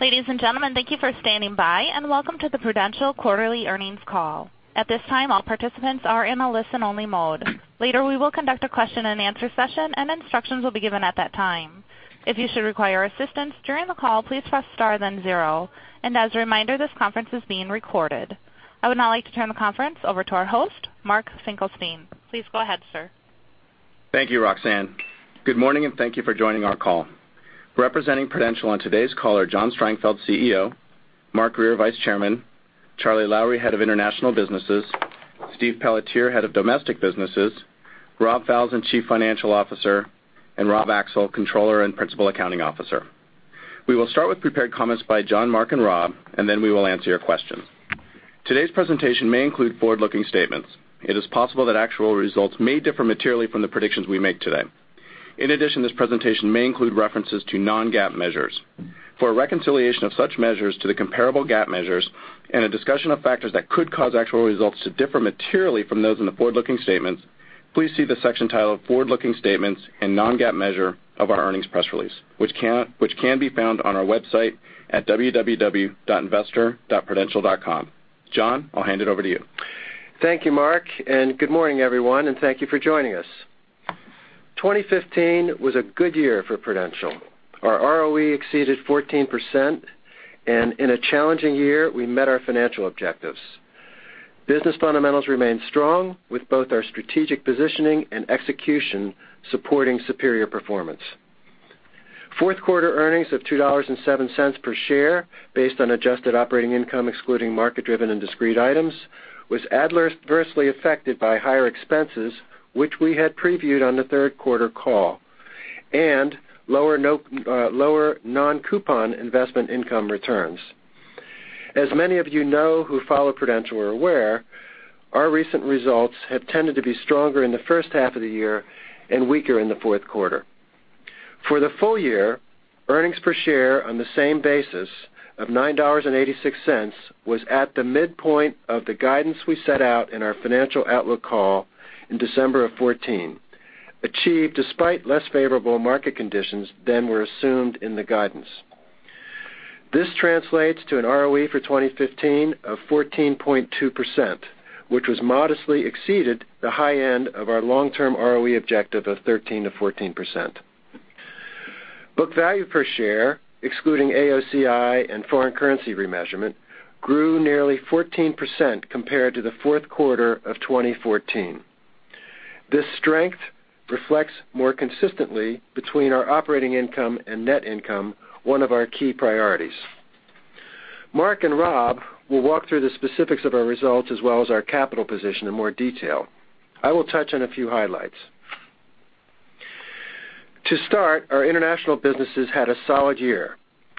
Ladies and gentlemen, thank you for standing by, and welcome to the Prudential quarterly earnings call. At this time, all participants are in a listen-only mode. Later we will conduct a question and answer session and instructions will be given at that time. If you should require assistance during the call, please press star then zero. As a reminder, this conference is being recorded. I would now like to turn the conference over to our host, Mark Finkelstein. Please go ahead, sir. Thank you, Roxanne. Good morning, and thank you for joining our call. Representing Prudential on today's call are John Strangfeld, CEO; Mark Grier, Vice Chairman; Charles Lowrey, Head of International Businesses; Steve Pelletier, Head of Domestic Businesses; Robert Falzon, Chief Financial Officer; and Robert Axel, Controller and Principal Accounting Officer. We will start with prepared comments by John, Mark, and Rob, and then we will answer your questions. Today's presentation may include forward-looking statements. It is possible that actual results may differ materially from the predictions we make today. In addition, this presentation may include references to non-GAAP measures. For a reconciliation of such measures to the comparable GAAP measures and a discussion of factors that could cause actual results to differ materially from those in the forward-looking statements, please see the section titled Forward-looking Statements and Non-GAAP Measure of our earnings press release, which can be found on our website at www.investor.prudential.com. John, I'll hand it over to you. Thank you, Mark, and good morning, everyone, and thank you for joining us. 2015 was a good year for Prudential. Our ROE exceeded 14%, and in a challenging year, we met our financial objectives. Business fundamentals remained strong, with both our strategic positioning and execution supporting superior performance. Fourth quarter earnings of $2.07 per share, based on adjusted operating income excluding market-driven and discrete items, was adversely affected by higher expenses, which we had previewed on the third quarter call, and lower non-coupon investment income returns. As many of you know, who follow Prudential are aware, our recent results have tended to be stronger in the first half of the year and weaker in the fourth quarter. For the full year, earnings per share on the same basis of $9.86 was at the midpoint of the guidance we set out in our financial outlook call in December of 2014, achieved despite less favorable market conditions than were assumed in the guidance. This translates to an ROE for 2015 of 14.2%, which modestly exceeded the high end of our long-term ROE objective of 13%-14%. Book value per share, excluding AOCI and foreign currency remeasurement, grew nearly 14% compared to the fourth quarter of 2014. This strength reflects more consistently between our operating income and net income, one of our key priorities. Mark and Rob will walk through the specifics of our results as well as our capital position in more detail. I will touch on a few highlights. To start, our international businesses had a solid year.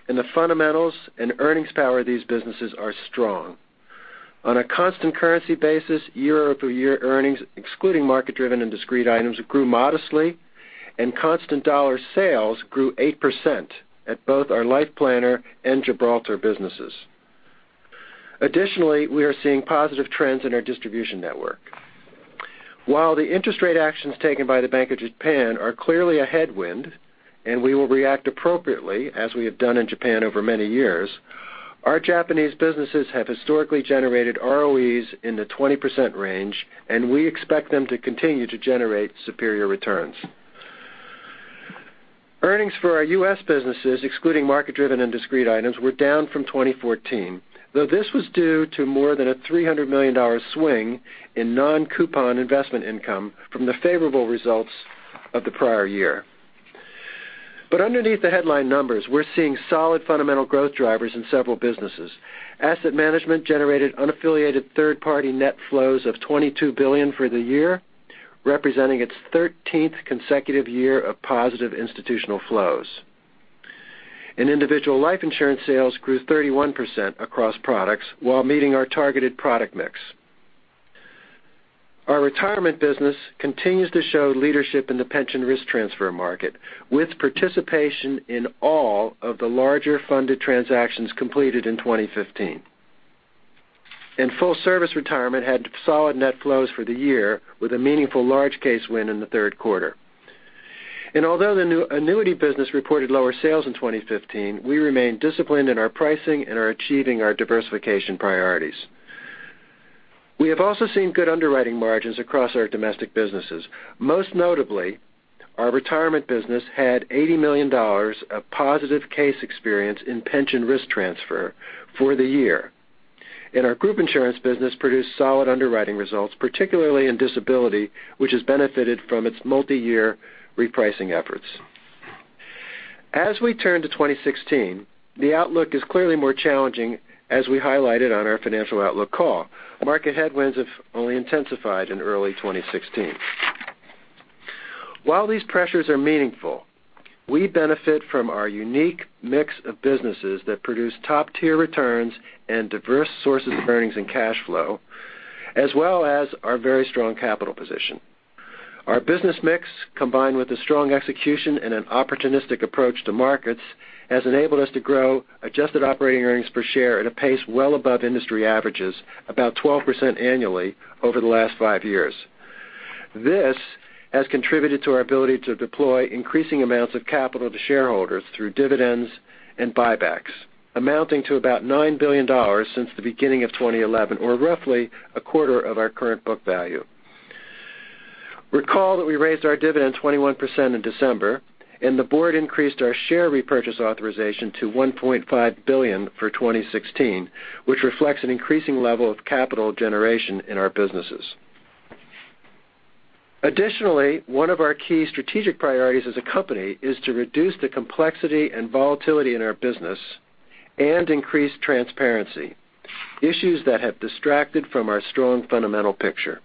The fundamentals and earnings power of these businesses are strong. On a constant currency basis, year-over-year earnings, excluding market-driven and discrete items, grew modestly, and constant dollar sales grew 8% at both our Life Planner and Gibraltar businesses. Additionally, we are seeing positive trends in our distribution network. While the interest rate actions taken by the Bank of Japan are clearly a headwind, we will react appropriately, as we have done in Japan over many years. Our Japanese businesses have historically generated ROEs in the 20% range, and we expect them to continue to generate superior returns. Earnings for our U.S. businesses, excluding market-driven and discrete items, were down from 2014, though this was due to more than a $300 million swing in non-coupon investment income from the favorable results of the prior year. Underneath the headline numbers, we're seeing solid fundamental growth drivers in several businesses. Asset management generated unaffiliated third-party net flows of $22 billion for the year, representing its 13th consecutive year of positive institutional flows. In individual life insurance sales grew 31% across products while meeting our targeted product mix. Our retirement business continues to show leadership in the pension risk transfer market, with participation in all of the larger funded transactions completed in 2015. In full service retirement had solid net flows for the year, with a meaningful large case win in the third quarter. Although the new annuity business reported lower sales in 2015, we remain disciplined in our pricing and are achieving our diversification priorities. We have also seen good underwriting margins across our domestic businesses. Most notably, our retirement business had $80 million of positive case experience in pension risk transfer for the year. Our group insurance business produced solid underwriting results, particularly in disability, which has benefited from its multi-year repricing efforts. As we turn to 2016, the outlook is clearly more challenging, as we highlighted on our financial outlook call. Market headwinds have only intensified in early 2016. While these pressures are meaningful, we benefit from our unique mix of businesses that produce top-tier returns and diverse sources of earnings and cash flow, as well as our very strong capital position. Our business mix, combined with a strong execution and an opportunistic approach to markets, has enabled us to grow adjusted operating earnings per share at a pace well above industry averages, about 12% annually over the last five years. This has contributed to our ability to deploy increasing amounts of capital to shareholders through dividends and buybacks, amounting to about $9 billion since the beginning of 2011, or roughly a quarter of our current book value. Recall that we raised our dividend 21% in December, and the board increased our share repurchase authorization to $1.5 billion for 2016, which reflects an increasing level of capital generation in our businesses. One of our key strategic priorities as a company is to reduce the complexity and volatility in our business and increase transparency, issues that have distracted from our strong fundamental picture.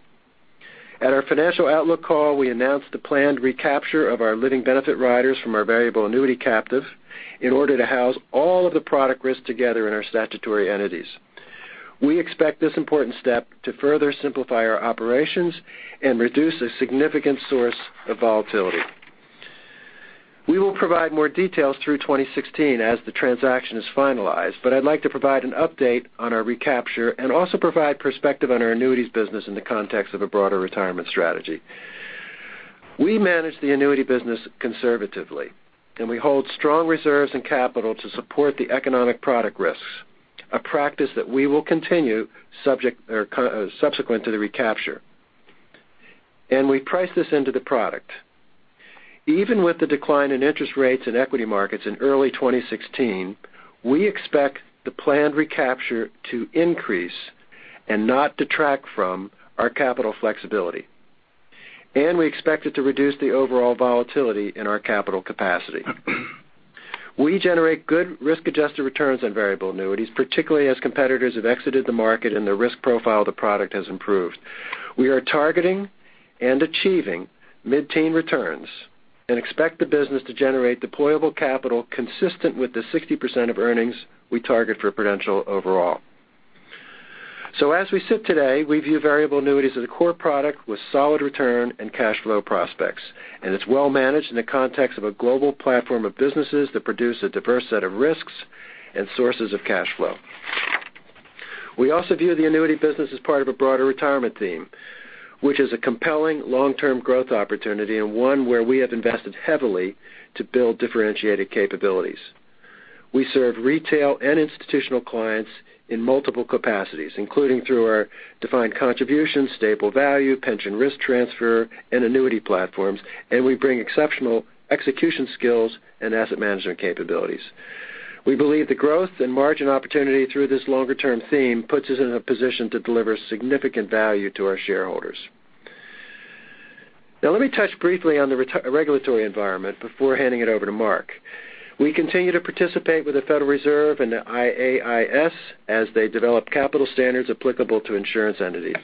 At our financial outlook call, we announced the planned recapture of our living benefit riders from our variable annuity captive in order to house all of the product risk together in our statutory entities. We expect this important step to further simplify our operations and reduce a significant source of volatility. We will provide more details through 2016 as the transaction is finalized. I'd like to provide an update on our recapture and also provide perspective on our annuities business in the context of a broader retirement strategy. We manage the annuity business conservatively. We hold strong reserves and capital to support the economic product risks, a practice that we will continue subsequent to the recapture. We price this into the product. Even with the decline in interest rates and equity markets in early 2016, we expect the planned recapture to increase and not detract from our capital flexibility. We expect it to reduce the overall volatility in our capital capacity. We generate good risk-adjusted returns on variable annuities, particularly as competitors have exited the market and the risk profile of the product has improved. We are targeting and achieving mid-teen returns and expect the business to generate deployable capital consistent with the 60% of earnings we target for Prudential overall. As we sit today, we view variable annuities as a core product with solid return and cash flow prospects. It's well managed in the context of a global platform of businesses that produce a diverse set of risks and sources of cash flow. We also view the annuity business as part of a broader retirement theme, which is a compelling long-term growth opportunity and one where we have invested heavily to build differentiated capabilities. We serve retail and institutional clients in multiple capacities, including through our defined contribution, stable value, pension risk transfer, and annuity platforms. We bring exceptional execution skills and asset management capabilities. We believe the growth and margin opportunity through this longer-term theme puts us in a position to deliver significant value to our shareholders. Let me touch briefly on the regulatory environment before handing it over to Mark. We continue to participate with the Federal Reserve and the IAIS as they develop capital standards applicable to insurance entities.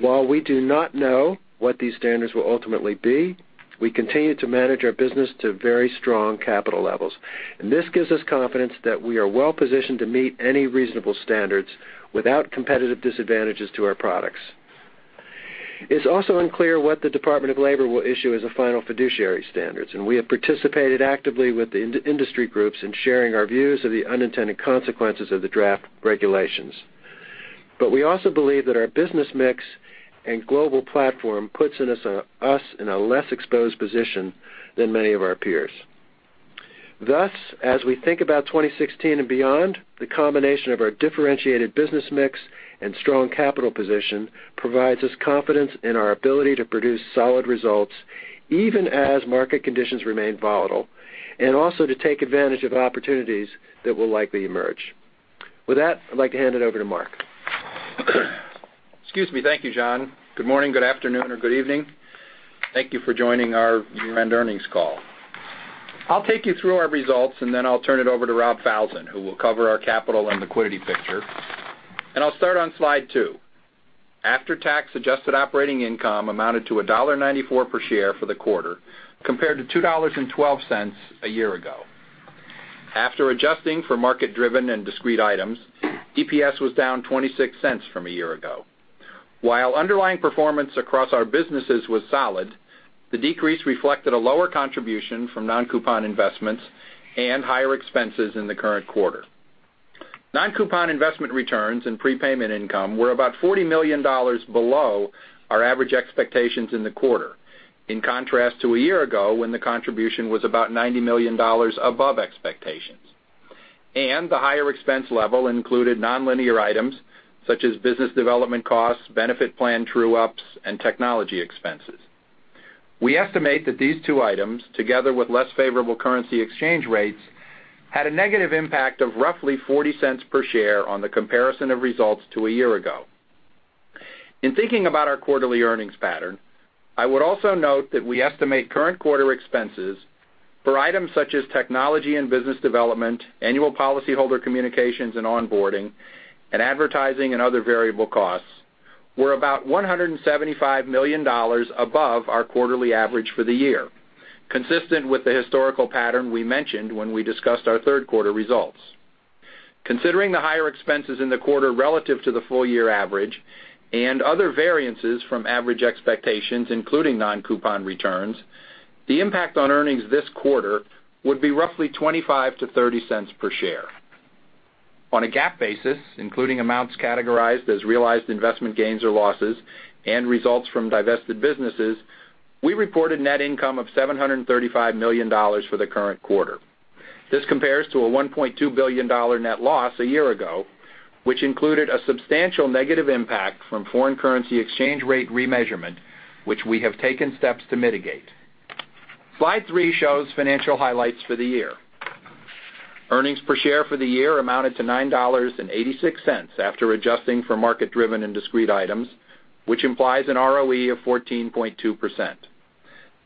While we do not know what these standards will ultimately be, we continue to manage our business to very strong capital levels. This gives us confidence that we are well positioned to meet any reasonable standards without competitive disadvantages to our products. It's also unclear what the United States Department of Labor will issue as a final fiduciary standards, and we have participated actively with the industry groups in sharing our views of the unintended consequences of the draft regulations. We also believe that our business mix and global platform puts us in a less exposed position than many of our peers. Thus, as we think about 2016 and beyond, the combination of our differentiated business mix and strong capital position provides us confidence in our ability to produce solid results, even as market conditions remain volatile, and also to take advantage of opportunities that will likely emerge. With that, I'd like to hand it over to Mark. Excuse me. Thank you, John. Good morning, good afternoon, or good evening. Thank you for joining our year-end earnings call. I'll take you through our results, and then I'll turn it over to Rob Falzon, who will cover our capital and liquidity picture. I'll start on slide two. After-tax adjusted operating income amounted to $1.94 per share for the quarter, compared to $2.12 a year ago. After adjusting for market-driven and discrete items, DPS was down $0.26 from a year ago. While underlying performance across our businesses was solid, the decrease reflected a lower contribution from non-coupon investments and higher expenses in the current quarter. Non-coupon investment returns and prepayment income were about $40 million below our average expectations in the quarter. In contrast to a year ago, when the contribution was about $90 million above expectations. The higher expense level included nonlinear items such as business development costs, benefit plan true-ups, and technology expenses. We estimate that these two items, together with less favorable currency exchange rates, had a negative impact of roughly $0.40 per share on the comparison of results to a year ago. In thinking about our quarterly earnings pattern, I would also note that we estimate current quarter expenses for items such as technology and business development, annual policyholder communications and onboarding, and advertising and other variable costs were about $175 million above our quarterly average for the year, consistent with the historical pattern we mentioned when we discussed our third-quarter results. Considering the higher expenses in the quarter relative to the full-year average and other variances from average expectations, including non-coupon returns, the impact on earnings this quarter would be roughly $0.25-$0.30 per share. On a GAAP basis, including amounts categorized as realized investment gains or losses and results from divested businesses, we reported net income of $735 million for the current quarter. This compares to a $1.2 billion net loss a year ago, which included a substantial negative impact from foreign currency exchange rate remeasurement, which we have taken steps to mitigate. Slide three shows financial highlights for the year. Earnings per share for the year amounted to $9.86 after adjusting for market-driven and discrete items, which implies an ROE of 14.2%.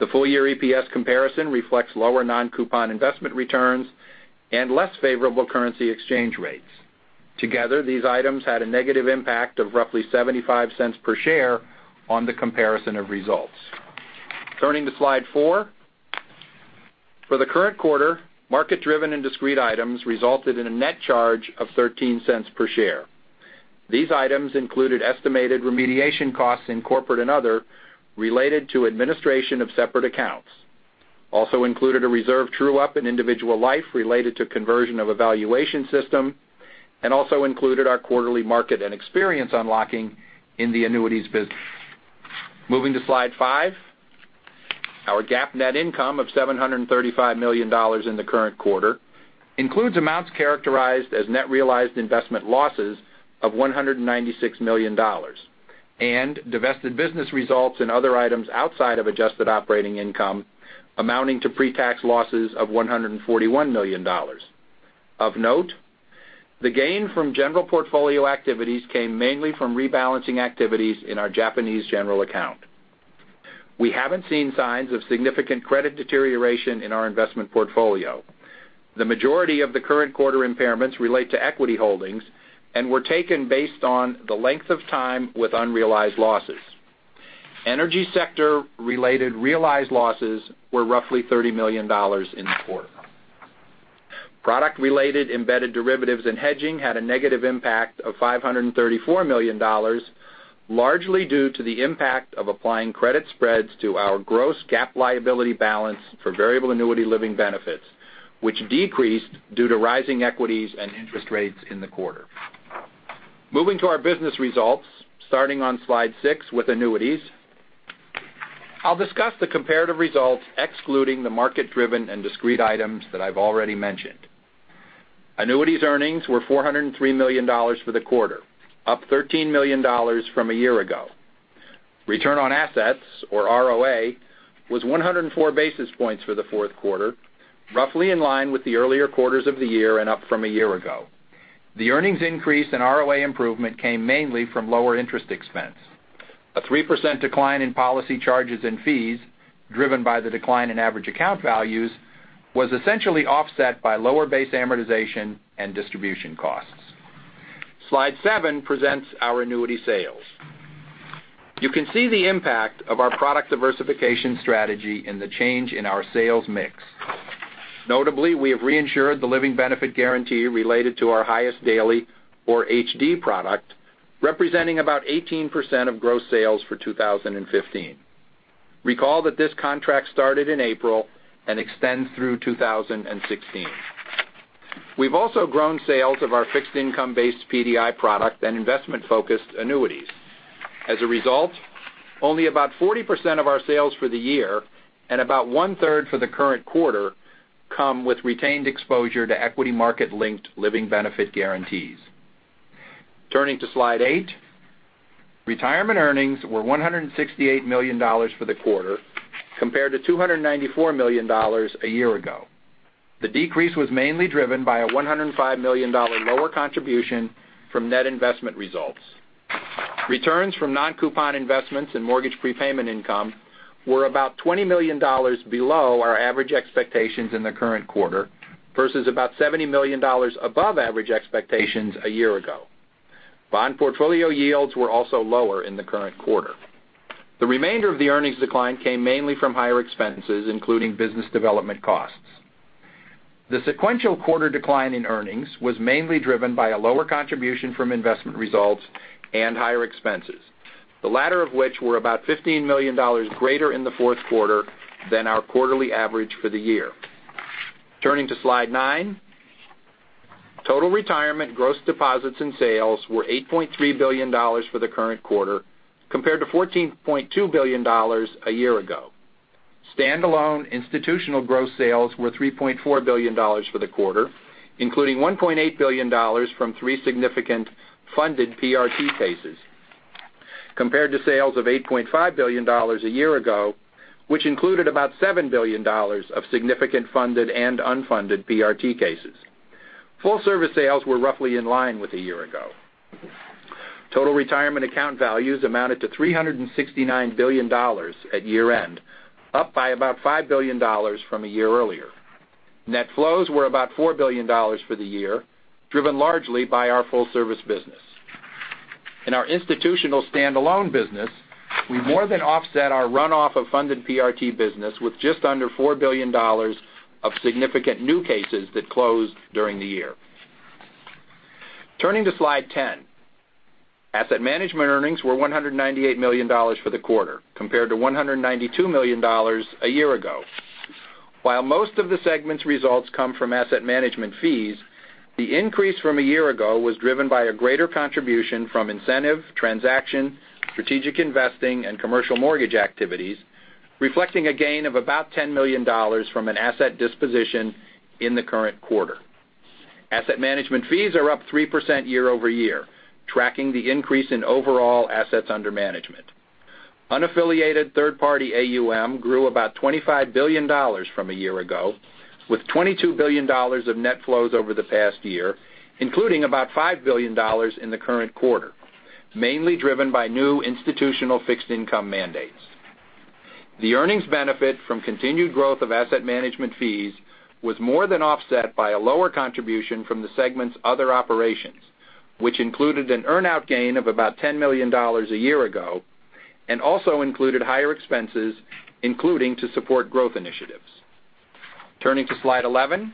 The full-year EPS comparison reflects lower non-coupon investment returns and less favorable currency exchange rates. Together, these items had a negative impact of roughly $0.75 per share on the comparison of results. Turning to slide four. For the current quarter, market-driven and discrete items resulted in a net charge of $0.13 per share. These items included estimated remediation costs in corporate and other related to administration of separate accounts, also included a reserve true-up in individual life related to conversion of evaluation system, also included our quarterly market and experience unlocking in the annuities business. Moving to slide five. Our GAAP net income of $735 million in the current quarter includes amounts characterized as net realized investment losses of $196 million and divested business results in other items outside of adjusted operating income amounting to pre-tax losses of $141 million. Of note, the gain from general portfolio activities came mainly from rebalancing activities in our Japanese general account. We haven't seen signs of significant credit deterioration in our investment portfolio. The majority of the current quarter impairments relate to equity holdings and were taken based on the length of time with unrealized losses. Energy sector-related realized losses were roughly $30 million in the quarter. Product-related embedded derivatives and hedging had a negative impact of $534 million, largely due to the impact of applying credit spreads to our gross GAAP liability balance for variable annuity living benefits, which decreased due to rising equities and interest rates in the quarter. Moving to our business results, starting on slide six with annuities. I'll discuss the comparative results excluding the market-driven and discrete items that I've already mentioned. Annuities earnings were $403 million for the quarter, up $13 million from a year ago. Return on assets, or ROA, was 104 basis points for the fourth quarter, roughly in line with the earlier quarters of the year and up from a year ago. The earnings increase and ROA improvement came mainly from lower interest expense. A 3% decline in policy charges and fees, driven by the decline in average account values, was essentially offset by lower base amortization and distribution costs. Slide seven presents our annuity sales. You can see the impact of our product diversification strategy in the change in our sales mix. Notably, we have reinsured the living benefit guarantee related to our Highest Daily, or HD product, representing about 18% of gross sales for 2015. Recall that this contract started in April and extends through 2016. We've also grown sales of our fixed income-based PDI product and investment-focused annuities. As a result, only about 40% of our sales for the year and about one-third for the current quarter come with retained exposure to equity market-linked living benefit guarantees. Turning to slide eight. Retirement earnings were $168 million for the quarter compared to $294 million a year ago. The decrease was mainly driven by a $105 million lower contribution from net investment results. Returns from non-coupon investments and mortgage prepayment income were about $20 million below our average expectations in the current quarter versus about $70 million above average expectations a year ago. Bond portfolio yields were also lower in the current quarter. The remainder of the earnings decline came mainly from higher expenses, including business development costs. The sequential quarter decline in earnings was mainly driven by a lower contribution from investment results and higher expenses, the latter of which were about $15 million greater in the fourth quarter than our quarterly average for the year. Turning to slide nine. Total retirement gross deposits and sales were $8.3 billion for the current quarter compared to $14.2 billion a year ago. Standalone institutional gross sales were $3.4 billion for the quarter, including $1.8 billion from three significant funded PRT cases, compared to sales of $8.5 billion a year ago, which included about $7 billion of significant funded and unfunded PRT cases. Full service sales were roughly in line with a year ago. Total retirement account values amounted to $369 billion at year-end, up by about $5 billion from a year earlier. Net flows were about $4 billion for the year, driven largely by our full service business. In our institutional standalone business, we more than offset our runoff of funded PRT business with just under $4 billion of significant new cases that closed during the year. Turning to slide 10. Asset management earnings were $198 million for the quarter, compared to $192 million a year ago. While most of the segment's results come from asset management fees, the increase from a year ago was driven by a greater contribution from incentive, transaction, strategic investing, and commercial mortgage activities, reflecting a gain of about $10 million from an asset disposition in the current quarter. Asset management fees are up 3% year-over-year, tracking the increase in overall assets under management. Unaffiliated third-party AUM grew about $25 billion from a year ago, with $22 billion of net flows over the past year, including about $5 billion in the current quarter, mainly driven by new institutional fixed income mandates. The earnings benefit from continued growth of asset management fees was more than offset by a lower contribution from the segment's other operations, which included an earn-out gain of about $10 million a year ago, and also included higher expenses, including to support growth initiatives. Turning to slide 11.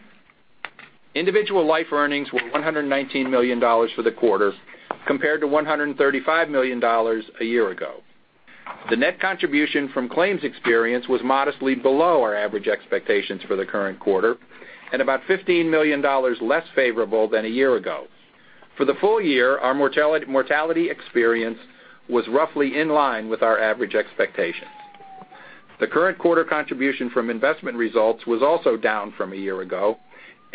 Individual life earnings were $119 million for the quarter, compared to $135 million a year ago. The net contribution from claims experience was modestly below our average expectations for the current quarter, and about $15 million less favorable than a year ago. For the full year, our mortality experience was roughly in line with our average expectations. The current quarter contribution from investment results was also down from a year ago,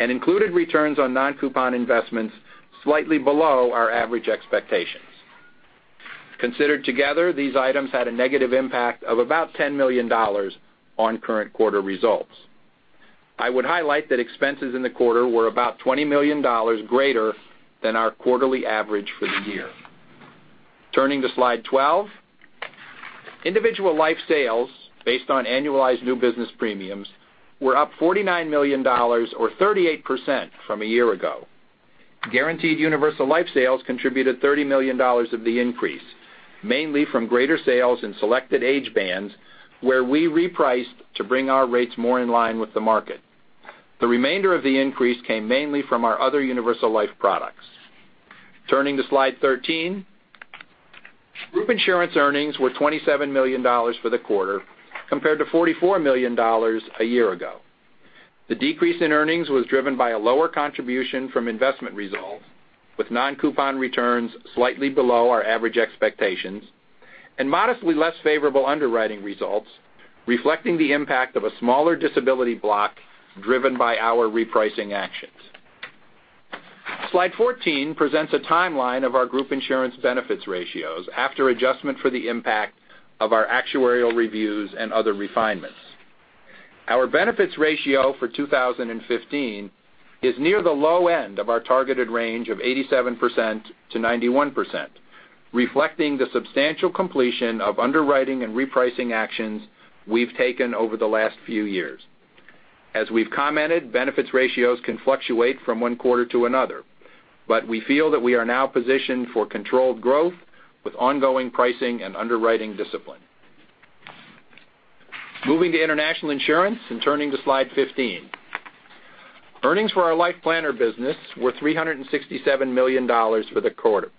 and included returns on non-coupon investments slightly below our average expectations. Considered together, these items had a negative impact of about $10 million on current quarter results. I would highlight that expenses in the quarter were about $20 million greater than our quarterly average for the year. Turning to slide 12. Individual life sales, based on annualized new business premiums, were up $49 million or 38% from a year ago. Guaranteed universal life sales contributed $30 million of the increase, mainly from greater sales in selected age bands, where we repriced to bring our rates more in line with the market. The remainder of the increase came mainly from our other universal life products. Turning to slide 13. Group insurance earnings were $27 million for the quarter, compared to $44 million a year ago. The decrease in earnings was driven by a lower contribution from investment results, with non-coupon returns slightly below our average expectations, and modestly less favorable underwriting results, reflecting the impact of a smaller disability block driven by our repricing actions. Slide 14 presents a timeline of our group insurance benefits ratios after adjustment for the impact of our actuarial reviews and other refinements. Our benefits ratio for 2015 is near the low end of our targeted range of 87%-91%, reflecting the substantial completion of underwriting and repricing actions we've taken over the last few years. As we've commented, benefits ratios can fluctuate from one quarter to another, but we feel that we are now positioned for controlled growth with ongoing pricing and underwriting discipline. Moving to international insurance and turning to slide 15. Earnings for our Life Planner business were $367 million for the quarter,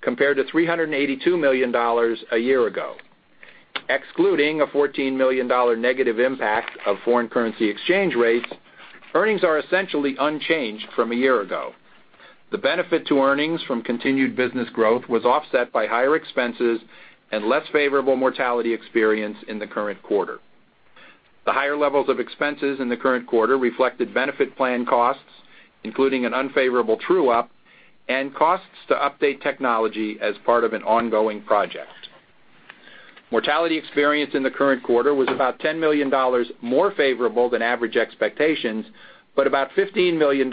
compared to $382 million a year ago. Excluding a $14 million negative impact of foreign currency exchange rates, earnings are essentially unchanged from a year ago. The benefit to earnings from continued business growth was offset by higher expenses and less favorable mortality experience in the current quarter. The higher levels of expenses in the current quarter reflected benefit plan costs, including an unfavorable true-up, and costs to update technology as part of an ongoing project. Mortality experience in the current quarter was about $10 million more favorable than average expectations, but about $15 million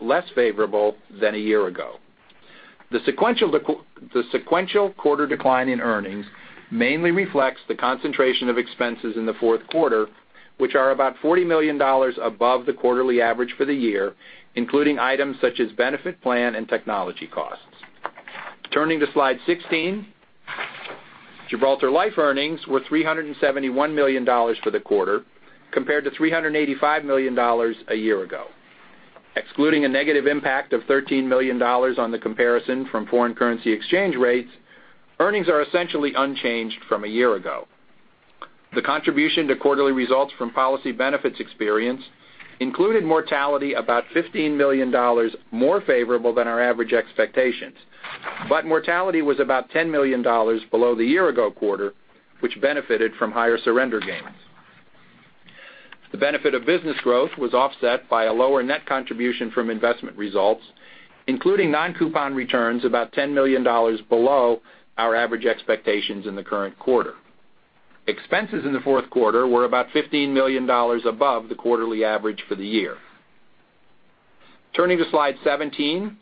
less favorable than a year ago. The sequential quarter decline in earnings mainly reflects the concentration of expenses in the fourth quarter, which are about $40 million above the quarterly average for the year, including items such as benefit plan and technology costs. Turning to slide 16. Gibraltar Life earnings were $371 million for the quarter, compared to $385 million a year ago. Excluding a negative impact of $13 million on the comparison from foreign currency exchange rates, earnings are essentially unchanged from a year ago. The contribution to quarterly results from policy benefits experience included mortality about $15 million more favorable than our average expectations. Mortality was about $10 million below the year ago quarter, which benefited from higher surrender gains. The benefit of business growth was offset by a lower net contribution from investment results, including non-coupon returns about $10 million below our average expectations in the current quarter. Expenses in the fourth quarter were about $15 million above the quarterly average for the year. Turning to slide 17.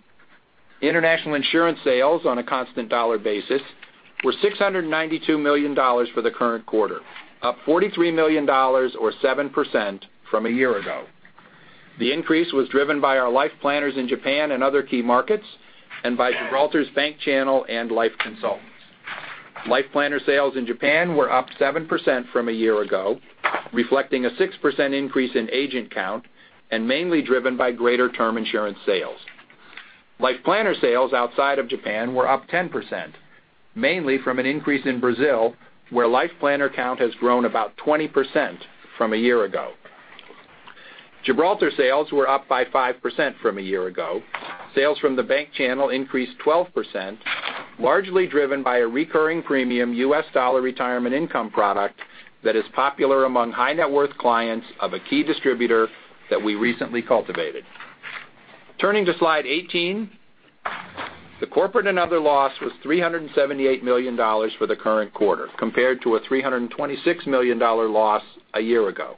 International insurance sales on a constant dollar basis were $692 million for the current quarter, up $43 million or 7% from a year ago. The increase was driven by our Life Planners in Japan and other key markets, and by Gibraltar's bank channel and Life Consult. Life Planner sales in Japan were up 7% from a year ago, reflecting a 6% increase in agent count, mainly driven by greater term insurance sales. Life Planner sales outside of Japan were up 10%, mainly from an increase in Brazil, where Life Planner count has grown about 20% from a year ago. Gibraltar sales were up by 5% from a year ago. Sales from the bank channel increased 12%, largely driven by a recurring premium U.S. dollar retirement income product that is popular among high-net-worth clients of a key distributor that we recently cultivated. Turning to slide 18, the corporate and other loss was $378 million for the current quarter, compared to a $326 million loss a year ago.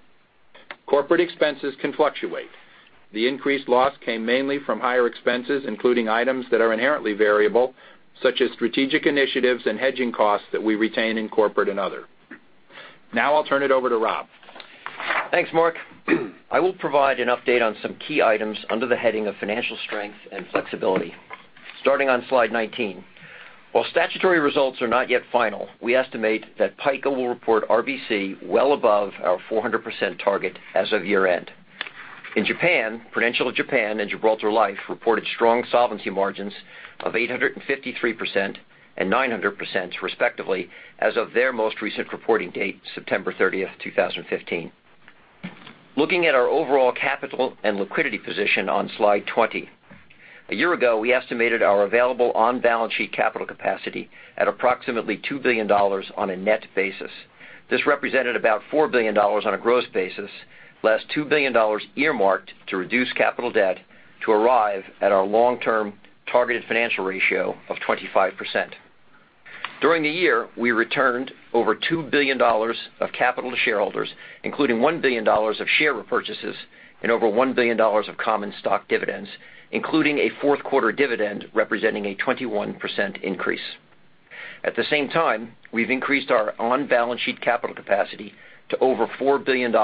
Corporate expenses can fluctuate. The increased loss came mainly from higher expenses, including items that are inherently variable, such as strategic initiatives and hedging costs that we retain in corporate and other. Now I'll turn it over to Rob. Thanks, Mark. I will provide an update on some key items under the heading of financial strength and flexibility. Starting on slide 19. While statutory results are not yet final, we estimate that PICA will report RBC well above our 400% target as of year-end. In Japan, Prudential Japan and Gibraltar Life reported strong solvency margins of 853% and 900%, respectively, as of their most recent reporting date, September 30, 2015. Looking at our overall capital and liquidity position on slide 20. A year ago, we estimated our available on-balance sheet capital capacity at approximately $2 billion on a net basis. This represented about $4 billion on a gross basis, less $2 billion earmarked to reduce capital debt to arrive at our long-term targeted financial ratio of 25%. During the year, we returned over $2 billion of capital to shareholders, including $1 billion of share repurchases and over $1 billion of common stock dividends, including a fourth quarter dividend representing a 21% increase. At the same time, we've increased our on-balance sheet capital capacity to over $4 billion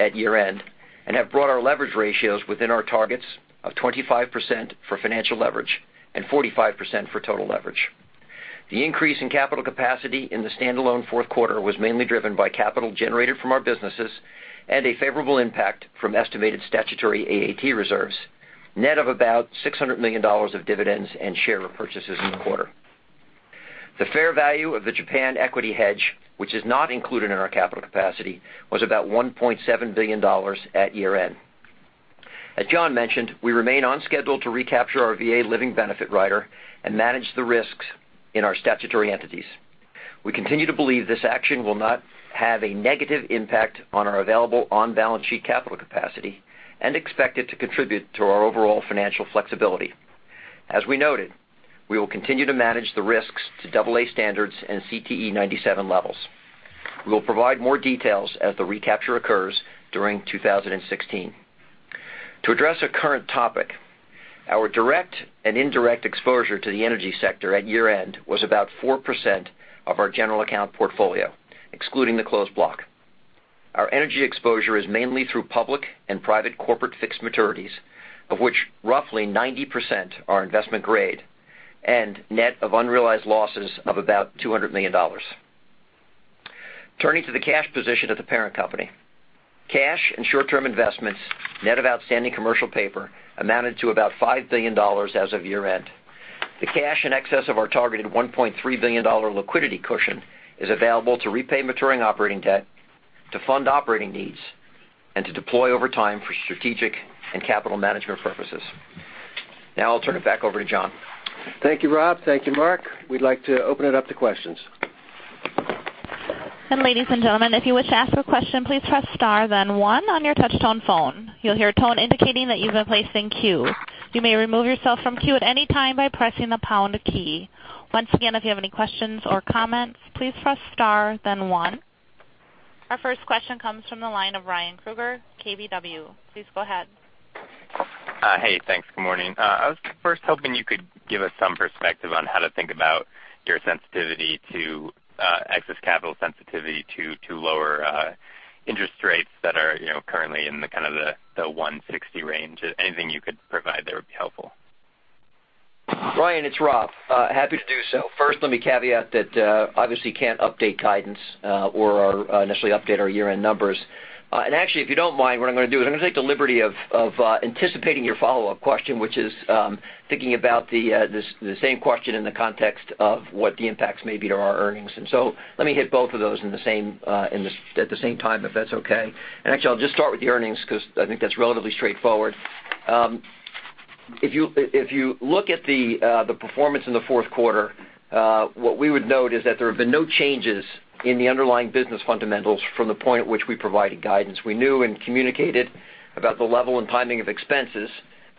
at year-end and have brought our leverage ratios within our targets of 25% for financial leverage and 45% for total leverage. The increase in capital capacity in the standalone fourth quarter was mainly driven by capital generated from our businesses and a favorable impact from estimated statutory AAT reserves, net of about $600 million of dividends and share repurchases in the quarter. The fair value of the Japan equity hedge, which is not included in our capital capacity, was about $1.7 billion at year-end. As John mentioned, we remain on schedule to recapture our VA Living Benefit Rider and manage the risks in our statutory entities. We continue to believe this action will not have a negative impact on our available on-balance sheet capital capacity and expect it to contribute to our overall financial flexibility. As we noted, we will continue to manage the risks to double A standards and CTE 97 levels. We will provide more details as the recapture occurs during 2016. To address a current topic, our direct and indirect exposure to the energy sector at year-end was about 4% of our general account portfolio, excluding the closed block. Our energy exposure is mainly through public and private corporate fixed maturities, of which roughly 90% are investment grade and net of unrealized losses of about $200 million. Turning to the cash position of the parent company. Cash and short-term investments, net of outstanding commercial paper, amounted to about $5 billion as of year-end. The cash in excess of our targeted $1.3 billion liquidity cushion is available to repay maturing operating debt, to fund operating needs, and to deploy over time for strategic and capital management purposes. Now I'll turn it back over to John. Thank you, Rob. Thank you, Mark. We'd like to open it up to questions. Ladies and gentlemen, if you wish to ask a question, please press star then one on your touch tone phone. You'll hear a tone indicating that you've been placed in queue. You may remove yourself from queue at any time by pressing the pound key. Once again, if you have any questions or comments, please press star then one. Our first question comes from the line of Ryan Krueger, KBW. Please go ahead. Hey, thanks. Good morning. I was first hoping you could give us some perspective on how to think about your sensitivity to excess capital sensitivity to lower interest rates that are currently in the kind of the 160 range. Anything you could provide there would be helpful. Ryan, it's Rob. Happy to do so. First, let me caveat that obviously can't update guidance or initially update our year-end numbers. Actually, if you don't mind, what I'm going to do is I'm going to take the liberty of anticipating your follow-up question, which is thinking about the same question in the context of what the impacts may be to our earnings. Let me hit both of those at the same time, if that's okay. Actually, I'll just start with the earnings because I think that's relatively straightforward. If you look at the performance in the fourth quarter, what we would note is that there have been no changes in the underlying business fundamentals from the point at which we provided guidance. We knew and communicated about the level and timing of expenses,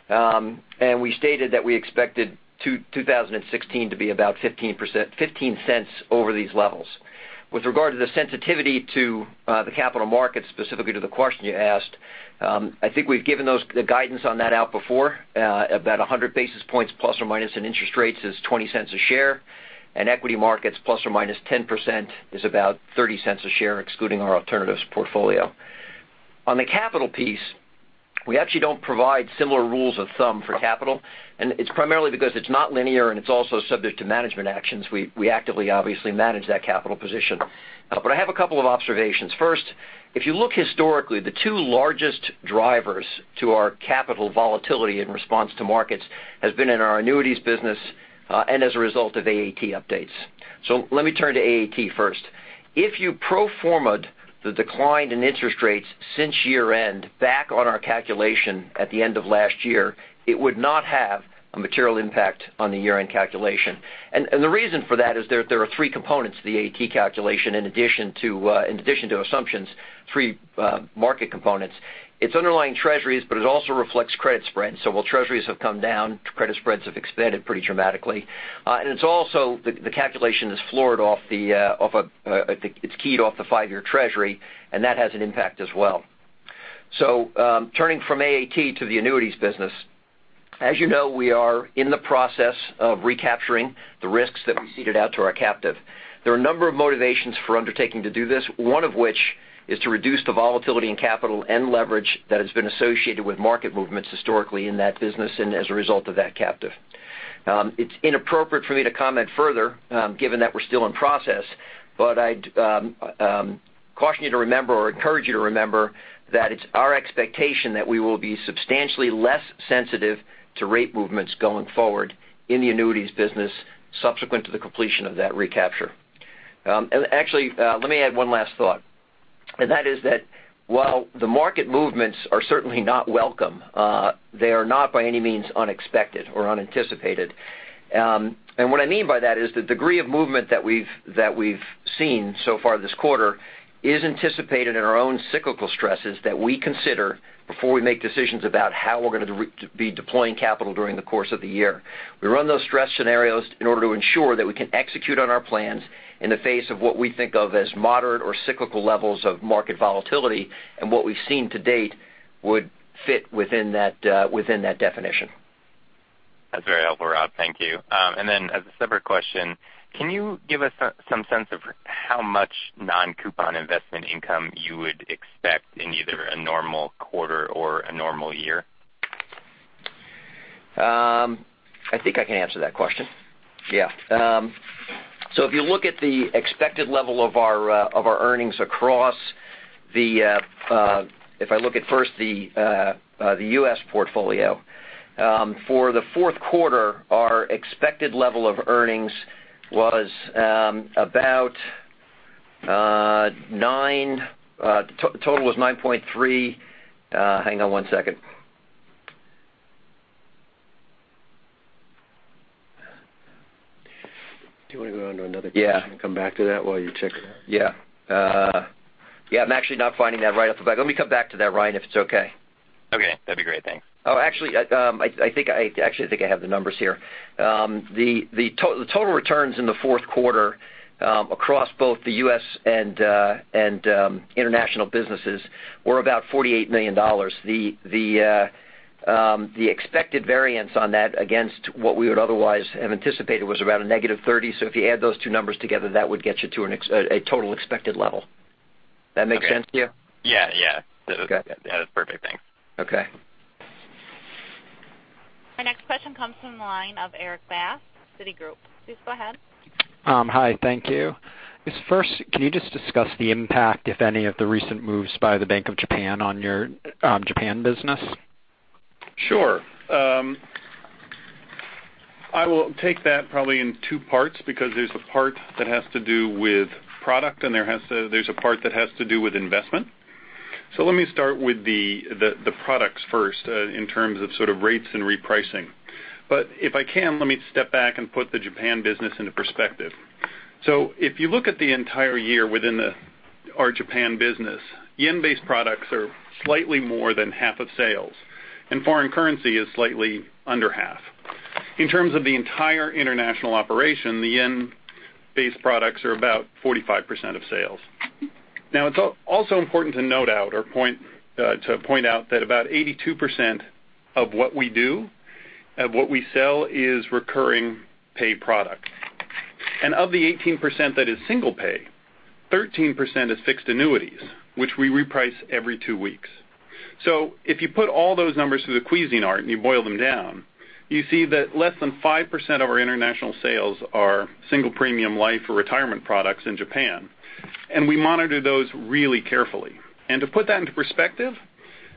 and we stated that we expected 2016 to be about $0.15 over these levels. With regard to the sensitivity to the capital markets, specifically to the question you asked, I think we've given the guidance on that out before, about 100 basis points plus or minus in interest rates is $0.20 a share, and equity markets plus or minus 10% is about $0.30 a share, excluding our alternatives portfolio. On the capital piece, we actually don't provide similar rules of thumb for capital, and it's primarily because it's not linear and it's also subject to management actions. We actively, obviously, manage that capital position. I have a couple of observations. First, if you look historically, the two largest drivers to our capital volatility in response to markets has been in our annuities business, and as a result of AAT updates. Let me turn to AAT first. If you pro formad the decline in interest rates since year-end back on our calculation at the end of last year, it would not have a material impact on the year-end calculation. The reason for that is there are three components to the AAT calculation in addition to assumptions, three market components. It's underlying Treasuries, but it also reflects credit spreads. While Treasuries have come down, credit spreads have expanded pretty dramatically. The calculation is keyed off the five-year Treasury, and that has an impact as well. Turning from AAT to the annuities business. As you know, we are in the process of recapturing the risks that we seeded out to our captive. There are a number of motivations for undertaking to do this, one of which is to reduce the volatility in capital and leverage that has been associated with market movements historically in that business, and as a result of that captive. It's inappropriate for me to comment further, given that we're still in process, but I'd caution you to remember or encourage you to remember that it's our expectation that we will be substantially less sensitive to rate movements going forward in the annuities business subsequent to the completion of that recapture. Actually, let me add one last thought. That is that while the market movements are certainly not welcome, they are not by any means unexpected or unanticipated. What I mean by that is the degree of movement that we've seen so far this quarter is anticipated in our own cyclical stresses that we consider before we make decisions about how we're going to be deploying capital during the course of the year. We run those stress scenarios in order to ensure that we can execute on our plans in the face of what we think of as moderate or cyclical levels of market volatility, and what we've seen to date would fit within that definition. That's very helpful, Rob. Thank you. Then as a separate question, can you give us some sense of how much non-coupon investment income you would expect in either a normal quarter or a normal year? I think I can answer that question. Yeah. If you look at the expected level of our earnings across the, if I look at first the U.S. portfolio. For the fourth quarter, our expected level of earnings, the total was $9.3. Hang on one second. Do you want to go on to another question? Yeah Come back to that while you check it out? Yeah, I'm actually not finding that right off the bat. Let me come back to that, Ryan, if it's okay. Okay, that'd be great. Thanks. Actually, I think I have the numbers here. The total returns in the fourth quarter, across both the U.S. and international businesses, were about $48 million. The expected variance on that against what we would otherwise have anticipated was around a negative $30. If you add those two numbers together, that would get you to a total expected level. Does that make sense to you? Yeah. Okay. Yeah, that's perfect, thanks. Okay. Our next question comes from the line of Erik Bass, Citigroup. Please go ahead. Hi, thank you. Just first, can you just discuss the impact, if any, of the recent moves by the Bank of Japan on your Japan business? Sure. I will take that probably in two parts because there's a part that has to do with product and there's a part that has to do with investment. Let me start with the products first, in terms of sort of rates and repricing. If I can, let me step back and put the Japan business into perspective. If you look at the entire year within our Japan business, JPY-based products are slightly more than half of sales, and foreign currency is slightly under half. Now, in terms of the entire international operation, the JPY-based products are about 45% of sales. It's also important to point out that about 82% of what we do, of what we sell, is recurring paid product. Of the 18% that is single pay, 13% is fixed annuities, which we reprice every two weeks. If you put all those numbers through the Cuisinart and you boil them down, you see that less than 5% of our international sales are single premium life or retirement products in Japan. We monitor those really carefully. To put that into perspective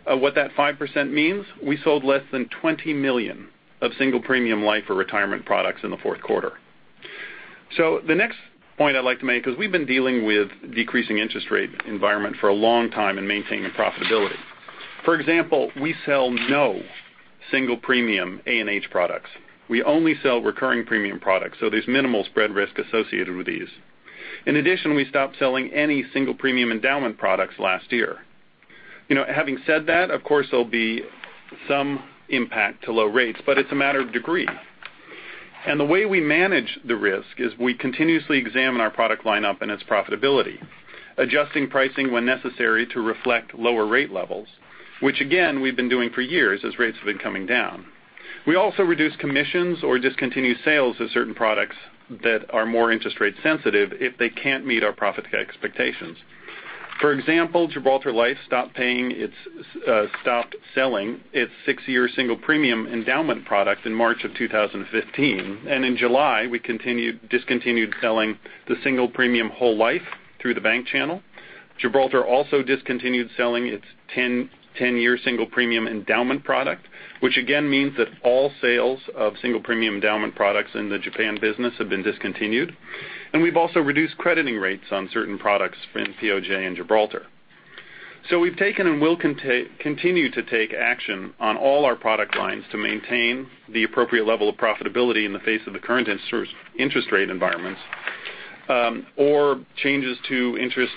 of what that 5% means, we sold less than $20 million of single premium life or retirement products in the fourth quarter. The next point I'd like to make, because we've been dealing with decreasing interest rate environment for a long time and maintaining profitability. For example, we sell no single premium A&H products. We only sell recurring premium products. There's minimal spread risk associated with these. In addition, we stopped selling any single premium endowment products last year. Having said that, of course there'll be some impact to low rates, but it's a matter of degree. The way we manage the risk is we continuously examine our product lineup and its profitability. Adjusting pricing when necessary to reflect lower rate levels, which again, we've been doing for years as rates have been coming down. We also reduce commissions or discontinue sales of certain products that are more interest rate sensitive if they can't meet our profit expectations. For example, Gibraltar Life stopped selling its 6-year single premium endowment product in March of 2015. In July, we discontinued selling the single premium whole life through the bank channel. Gibraltar also discontinued selling its 10-year single premium endowment product, which again means that all sales of single premium endowment products in the Japan business have been discontinued. We've also reduced crediting rates on certain products in POJ and Gibraltar. We've taken and will continue to take action on all our product lines to maintain the appropriate level of profitability in the face of the current interest rate environments, or changes to interest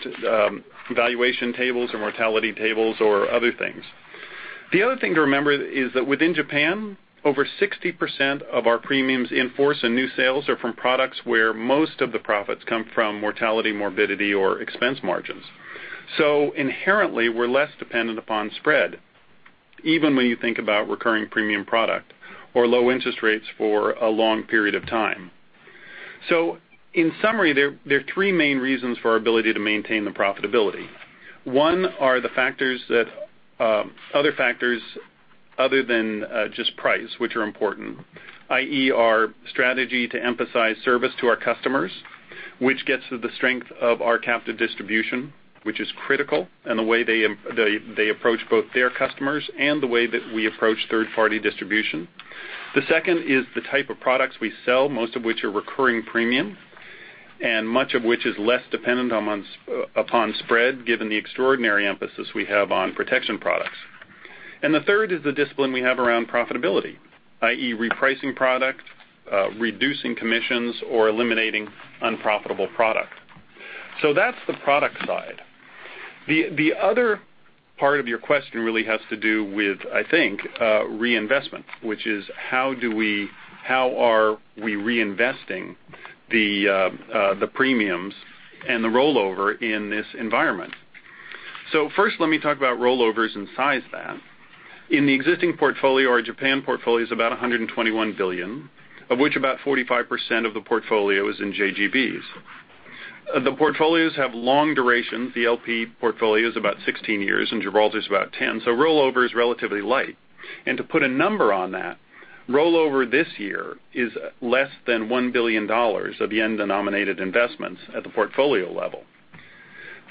valuation tables or mortality tables or other things. The other thing to remember is that within Japan, over 60% of our premiums in force and new sales are from products where most of the profits come from mortality, morbidity, or expense margins. Inherently, we're less dependent upon spread, even when you think about recurring premium product or low interest rates for a long period of time. In summary, there are three main reasons for our ability to maintain the profitability. One are the other factors other than just price, which are important, i.e., our strategy to emphasize service to our customers, which gets to the strength of our captive distribution, which is critical in the way they approach both their customers and the way that we approach third-party distribution. The second is the type of products we sell, most of which are recurring premium, and much of which is less dependent upon spread, given the extraordinary emphasis we have on protection products. The third is the discipline we have around profitability, i.e., repricing product, reducing commissions, or eliminating unprofitable product. That's the product side. The other part of your question really has to do with, I think, reinvestment, which is how are we reinvesting the premiums and the rollover in this environment. First, let me talk about rollovers and size that. In the existing portfolio, our Japan portfolio is about 121 billion, of which about 45% of the portfolio is in JGBs. The portfolios have long duration. The Life Planner portfolio is about 16 years, and Gibraltar is about 10. Rollover is relatively light. To put a number on that, rollover this year is less than JPY 1 billion of yen-denominated investments at the portfolio level.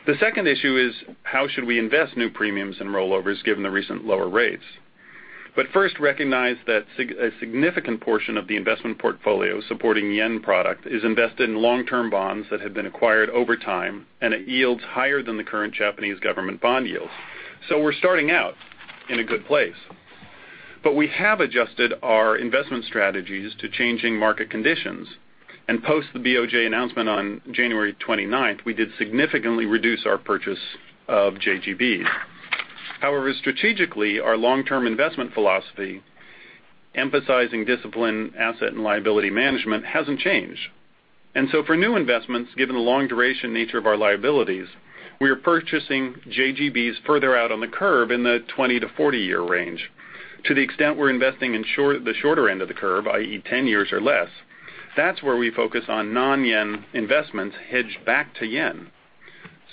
The second issue is how should we invest new premiums and rollovers given the recent lower rates? First, recognize that a significant portion of the investment portfolio supporting yen product is invested in long-term bonds that have been acquired over time, and at yields higher than the current Japanese government bond yields. We're starting out in a good place. We have adjusted our investment strategies to changing market conditions. Post the BOJ announcement on January 29th, we did significantly reduce our purchase of JGBs. However, strategically, our long-term investment philosophy, emphasizing discipline, asset and liability management, hasn't changed. For new investments, given the long duration nature of our liabilities, we are purchasing JGBs further out on the curve in the 20-40 year range. To the extent we're investing in the shorter end of the curve, i.e., 10 years or less, that's where we focus on non-yen investments hedged back to yen.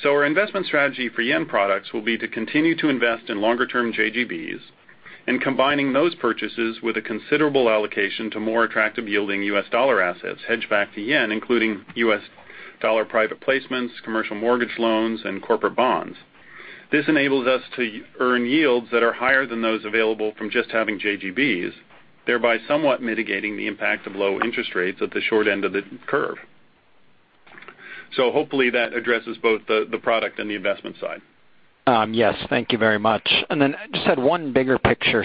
Our investment strategy for yen products will be to continue to invest in longer-term JGBs and combining those purchases with a considerable allocation to more attractive yielding U.S. dollar assets hedged back to yen, including U.S. dollar private placements, commercial mortgage loans, and corporate bonds. This enables us to earn yields that are higher than those available from just having JGBs, thereby somewhat mitigating the impact of low interest rates at the short end of the curve. Hopefully that addresses both the product and the investment side. Yes. Thank you very much. I just had one bigger picture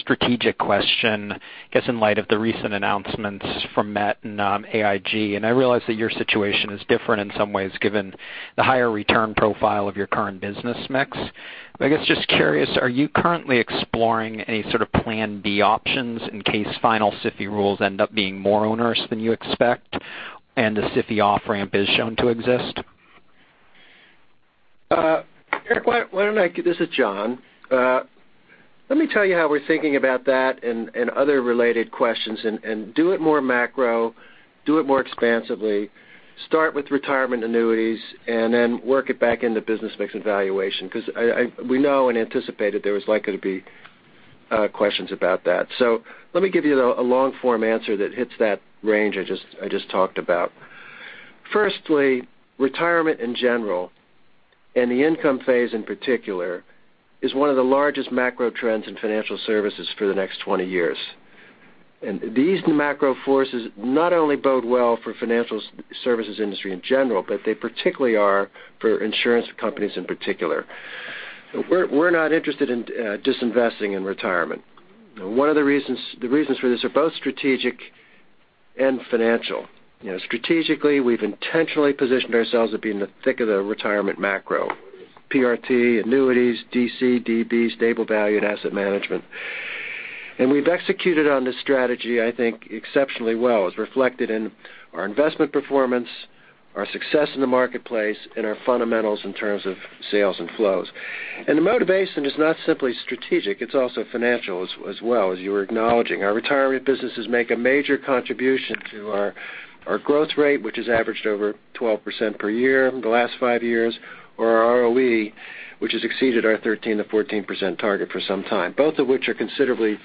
strategic question, I guess in light of the recent announcements from Met and AIG, and I realize that your situation is different in some ways given the higher return profile of your current business mix. I guess just curious, are you currently exploring any sort of plan B options in case final SIFI rules end up being more onerous than you expect and the SIFI off-ramp is shown to exist? Erik, why don't I give this a shot? Let me tell you how we're thinking about that and other related questions. Do it more macro, do it more expansively, start with retirement annuities, then work it back into business mix evaluation, because we know and anticipated there was likely to be questions about that. Let me give you a long-form answer that hits that range I just talked about. Firstly, retirement in general, and the income phase in particular, is one of the largest macro trends in financial services for the next 20 years. These new macro forces not only bode well for financial services industry in general, but they particularly are for insurance companies in particular. We're not interested in disinvesting in retirement. One of the reasons for this are both strategic and financial. Strategically, we've intentionally positioned ourselves to be in the thick of the retirement macro, PRT, annuities, DC, DB, stable value, and asset management. We've executed on this strategy, I think exceptionally well, as reflected in our investment performance Our success in the marketplace and our fundamentals in terms of sales and flows. The motivation is not simply strategic, it's also financial as well, as you were acknowledging. Our retirement businesses make a major contribution to our growth rate, which has averaged over 12% per year over the last 5 years, or our ROE, which has exceeded our 13%-14% target for some time, both of which are considerably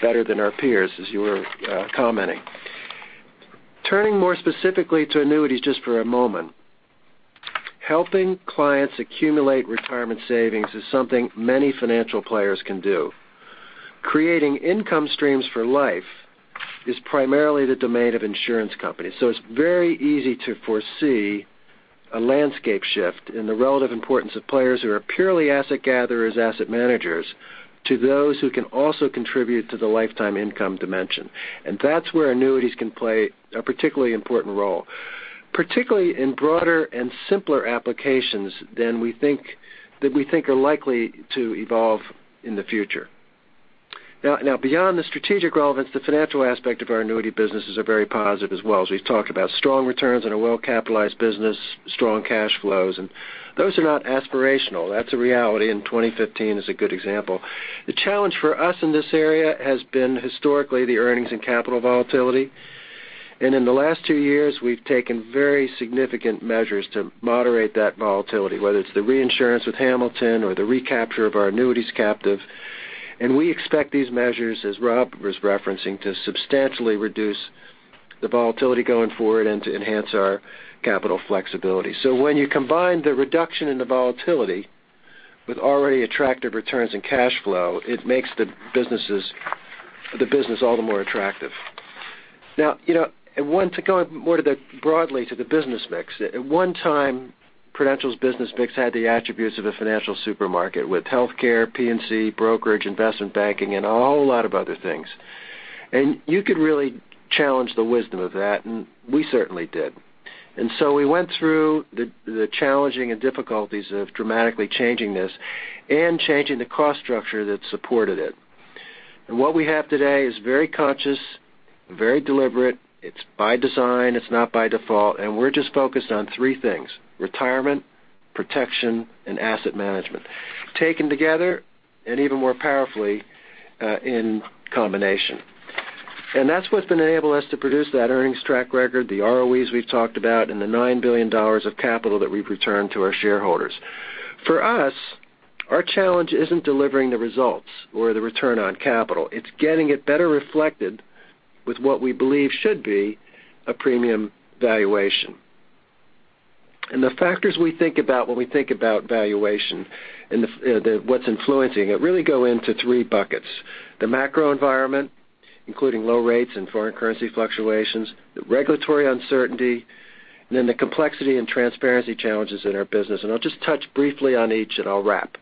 better than our peers, as you were commenting. Turning more specifically to annuities just for a moment. Helping clients accumulate retirement savings is something many financial players can do. Creating income streams for life is primarily the domain of insurance companies, so it's very easy to foresee a landscape shift in the relative importance of players who are purely asset gatherers, asset managers, to those who can also contribute to the lifetime income dimension. That's where annuities can play a particularly important role, particularly in broader and simpler applications than we think are likely to evolve in the future. Now, beyond the strategic relevance, the financial aspect of our annuity businesses are very positive as well. As we've talked about, strong returns on a well-capitalized business, strong cash flows, and those are not aspirational. That's a reality, and 2015 is a good example. The challenge for us in this area has been historically the earnings and capital volatility. In the last 2 years, we've taken very significant measures to moderate that volatility, whether it's the reinsurance with Hamilton or the recapture of our annuities captive. We expect these measures, as Rob was referencing, to substantially reduce the volatility going forward and to enhance our capital flexibility. When you combine the reduction in the volatility with already attractive returns and cash flow, it makes the business all the more attractive. To go more broadly to the business mix, at one time, Prudential's business mix had the attributes of a financial supermarket with healthcare, P&C, brokerage, investment banking, and a whole lot of other things. You could really challenge the wisdom of that, and we certainly did. We went through the challenging and difficulties of dramatically changing this and changing the cost structure that supported it. What we have today is very conscious, very deliberate. It's by design. It's not by default. We're just focused on three things, retirement, protection, and asset management, taken together and even more powerfully in combination. That's what's been enabling us to produce that earnings track record, the ROEs we've talked about, and the $9 billion of capital that we've returned to our shareholders. For us, our challenge isn't delivering the results or the return on capital. It's getting it better reflected with what we believe should be a premium valuation. The factors we think about when we think about valuation and what's influencing it really go into three buckets, the macro environment, including low rates and foreign currency fluctuations, the regulatory uncertainty, and then the complexity and transparency challenges in our business. I'll just touch briefly on each, and I'll wrap.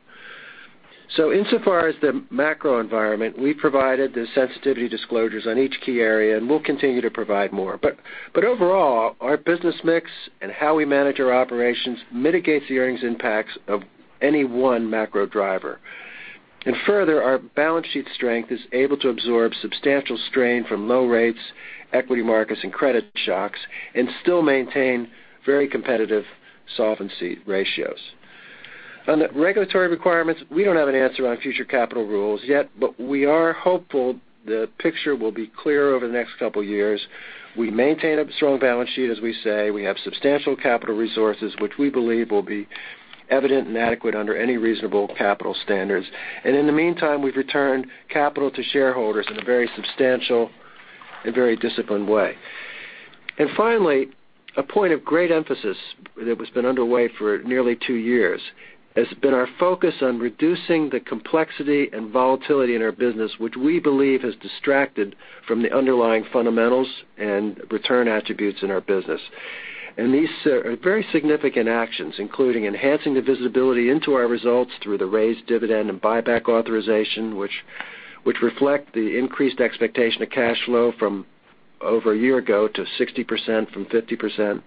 Insofar as the macro environment, we provided the sensitivity disclosures on each key area, and we'll continue to provide more. Overall, our business mix and how we manage our operations mitigates the earnings impacts of any one macro driver. Further, our balance sheet strength is able to absorb substantial strain from low rates, equity markets, and credit shocks, and still maintain very competitive solvency ratios. On the regulatory requirements, we don't have an answer on future capital rules yet, we are hopeful the picture will be clear over the next couple of years. We maintain a strong balance sheet, as we say. We have substantial capital resources, which we believe will be evident and adequate under any reasonable capital standards. In the meantime, we've returned capital to shareholders in a very substantial and very disciplined way. Finally, a point of great emphasis that has been underway for nearly two years has been our focus on reducing the complexity and volatility in our business, which we believe has distracted from the underlying fundamentals and return attributes in our business. These are very significant actions, including enhancing the visibility into our results through the raised dividend and buyback authorization, which reflect the increased expectation of cash flow from over a year ago to 60% from 50%.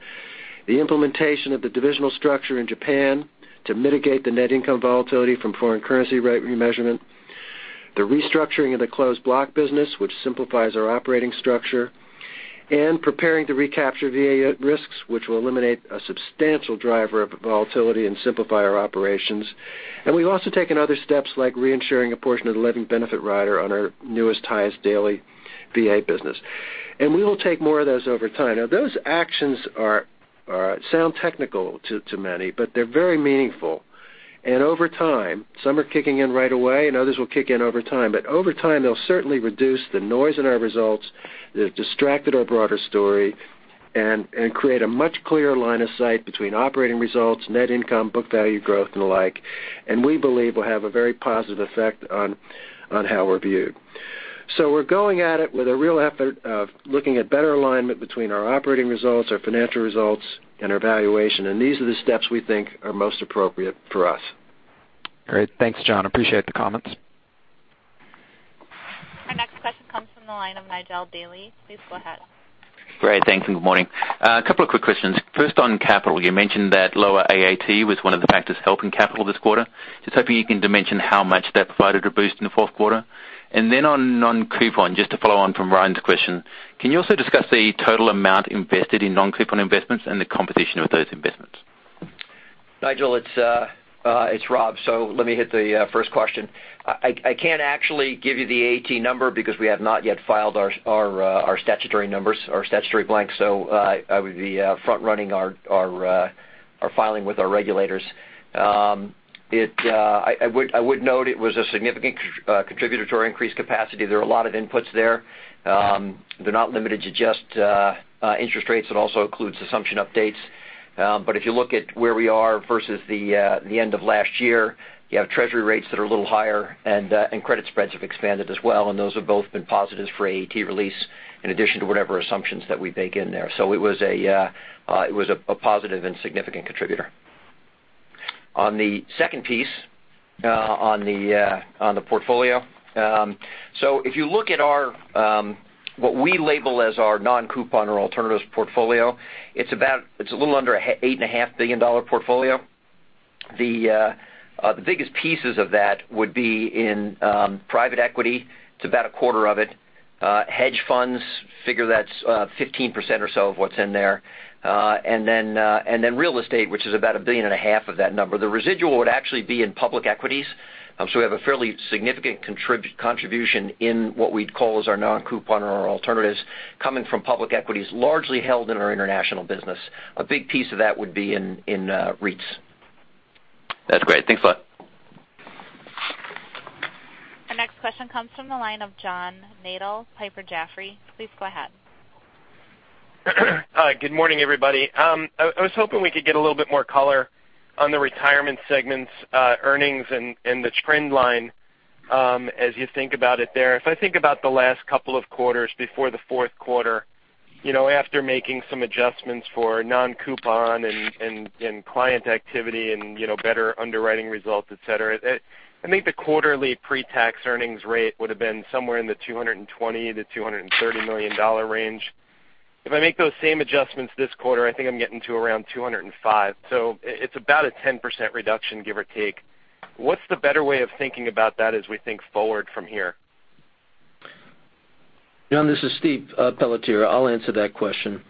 The implementation of the divisional structure in Japan to mitigate the net income volatility from foreign currency rate remeasurement. The restructuring of the closed block business, which simplifies our operating structure. Preparing to recapture VA risks, which will eliminate a substantial driver of volatility and simplify our operations. We've also taken other steps like reinsuring a portion of the living benefit rider on our newest, Highest Daily VA business. We will take more of those over time. Those actions sound technical to many, they're very meaningful. Some are kicking in right away, and others will kick in over time. Over time, they'll certainly reduce the noise in our results that have distracted our broader story and create a much clearer line of sight between operating results, net income, book value growth, and the like, and we believe will have a very positive effect on how we're viewed. We're going at it with a real effort of looking at better alignment between our operating results, our financial results, and our valuation. These are the steps we think are most appropriate for us. Great. Thanks, John. Appreciate the comments. Our next question comes from the line of Nigel Dally. Please go ahead. Great. Thanks, and good morning. A couple of quick questions. First, on capital, you mentioned that lower AAT was one of the factors helping capital this quarter. Just hoping you can dimension how much that provided a boost in the fourth quarter? Then on non-coupon, just to follow on from Ryan's question, can you also discuss the total amount invested in non-coupon investments and the competition with those investments? Nigel, it's Rob, let me hit the first question. I can't actually give you the AT number because we have not yet filed our statutory numbers, our statutory blanks. I would be front-running our filing with our regulators. I would note it was a significant contributor to our increased capacity. There are a lot of inputs there. They're not limited to just interest rates. It also includes assumption updates. If you look at where we are versus the end of last year, you have treasury rates that are a little higher and credit spreads have expanded as well, and those have both been positives for AT release, in addition to whatever assumptions that we bake in there. It was a positive and significant contributor. On the second piece, on the portfolio. If you look at what we label as our non-coupon or alternatives portfolio, it's a little under $8.5 billion portfolio. The biggest pieces of that would be in private equity, it's about a quarter of it. Hedge funds, figure that's 15% or so of what's in there. Then real estate, which is about a billion and a half of that number. The residual would actually be in public equities. We have a fairly significant contribution in what we'd call as our non-coupon or our alternatives coming from public equities, largely held in our international business. A big piece of that would be in REITs. That's great. Thanks a lot. Our next question comes from the line of John Nadel, Piper Jaffray. Please go ahead. Good morning, everybody. I was hoping we could get a little bit more color on the retirement segment's earnings and the trend line as you think about it there. If I think about the last couple of quarters before the fourth quarter, after making some adjustments for non-coupon and client activity and better underwriting results, et cetera, I think the quarterly pre-tax earnings rate would have been somewhere in the $220 million-$230 million range. If I make those same adjustments this quarter, I think I'm getting to around $205 million. It's about a 10% reduction, give or take. What's the better way of thinking about that as we think forward from here? John, this is Stephen Pelletier. I'll answer that question.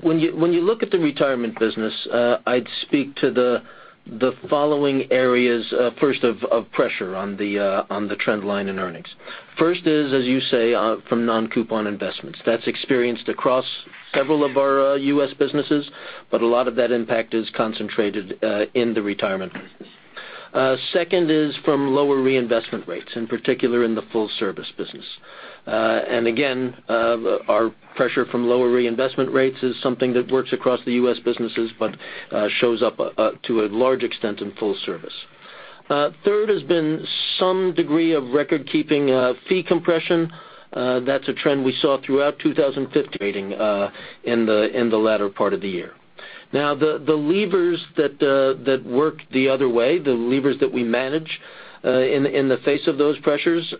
When you look at the retirement business, I'd speak to the following areas first of pressure on the trend line in earnings. First is, as you say, from non-coupon investments. That's experienced across several of our U.S. businesses, but a lot of that impact is concentrated in the retirement business. Second is from lower reinvestment rates, in particular in the full service business. Again, our pressure from lower reinvestment rates is something that works across the U.S. businesses but shows up to a large extent in full service. Third has been some degree of record-keeping fee compression. That's a trend we saw throughout 2015 in the latter part of the year. The levers that work the other way, the levers that we manage in the face of those pressures,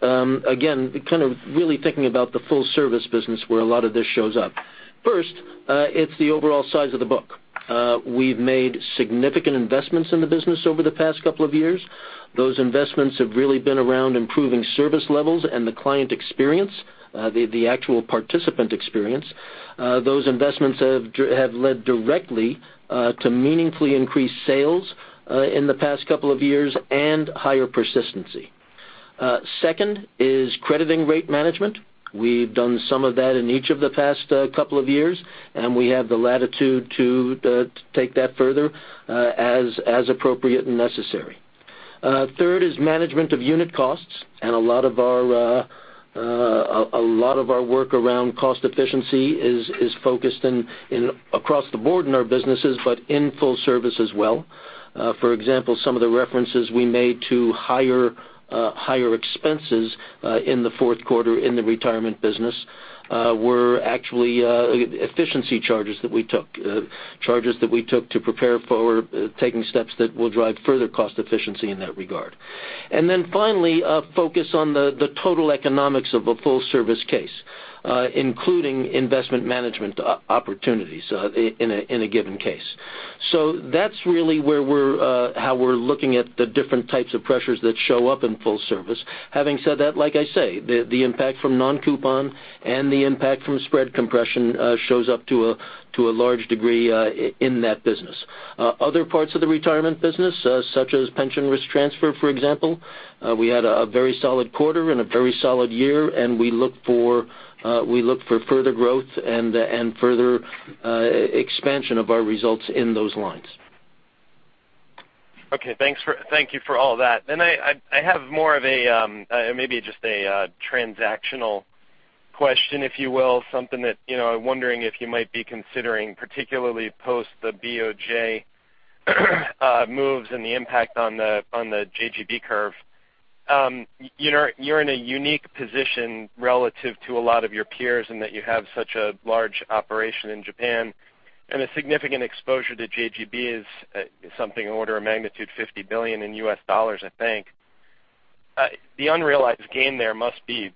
again, kind of really thinking about the full service business where a lot of this shows up. First, it's the overall size of the book. We've made significant investments in the business over the past couple of years. Those investments have really been around improving service levels and the client experience, the actual participant experience. Those investments have led directly to meaningfully increased sales in the past couple of years and higher persistency. Second is crediting rate management. We've done some of that in each of the past couple of years, and we have the latitude to take that further as appropriate and necessary. Third is management of unit costs, a lot of our work around cost efficiency is focused across the board in our businesses, but in full service as well. For example, some of the references we made to higher expenses in the fourth quarter in the retirement business were actually efficiency charges that we took. Charges that we took to prepare for taking steps that will drive further cost efficiency in that regard. Finally, a focus on the total economics of a full service case including investment management opportunities in a given case. That's really how we're looking at the different types of pressures that show up in full service. Having said that, like I say, the impact from non-coupon and the impact from spread compression shows up to a large degree in that business. Other parts of the retirement business, such as pension risk transfer, for example, we had a very solid quarter and a very solid year. We look for further growth and further expansion of our results in those lines. Okay. Thank you for all that. I have maybe just a transactional question, if you will. Something that I'm wondering if you might be considering, particularly post the BOJ moves and the impact on the JGB curve. You're in a unique position relative to a lot of your peers in that you have such a large operation in Japan, and a significant exposure to JGB is something in order of magnitude $50 billion in U.S. dollars, I think. The unrealized gain there must be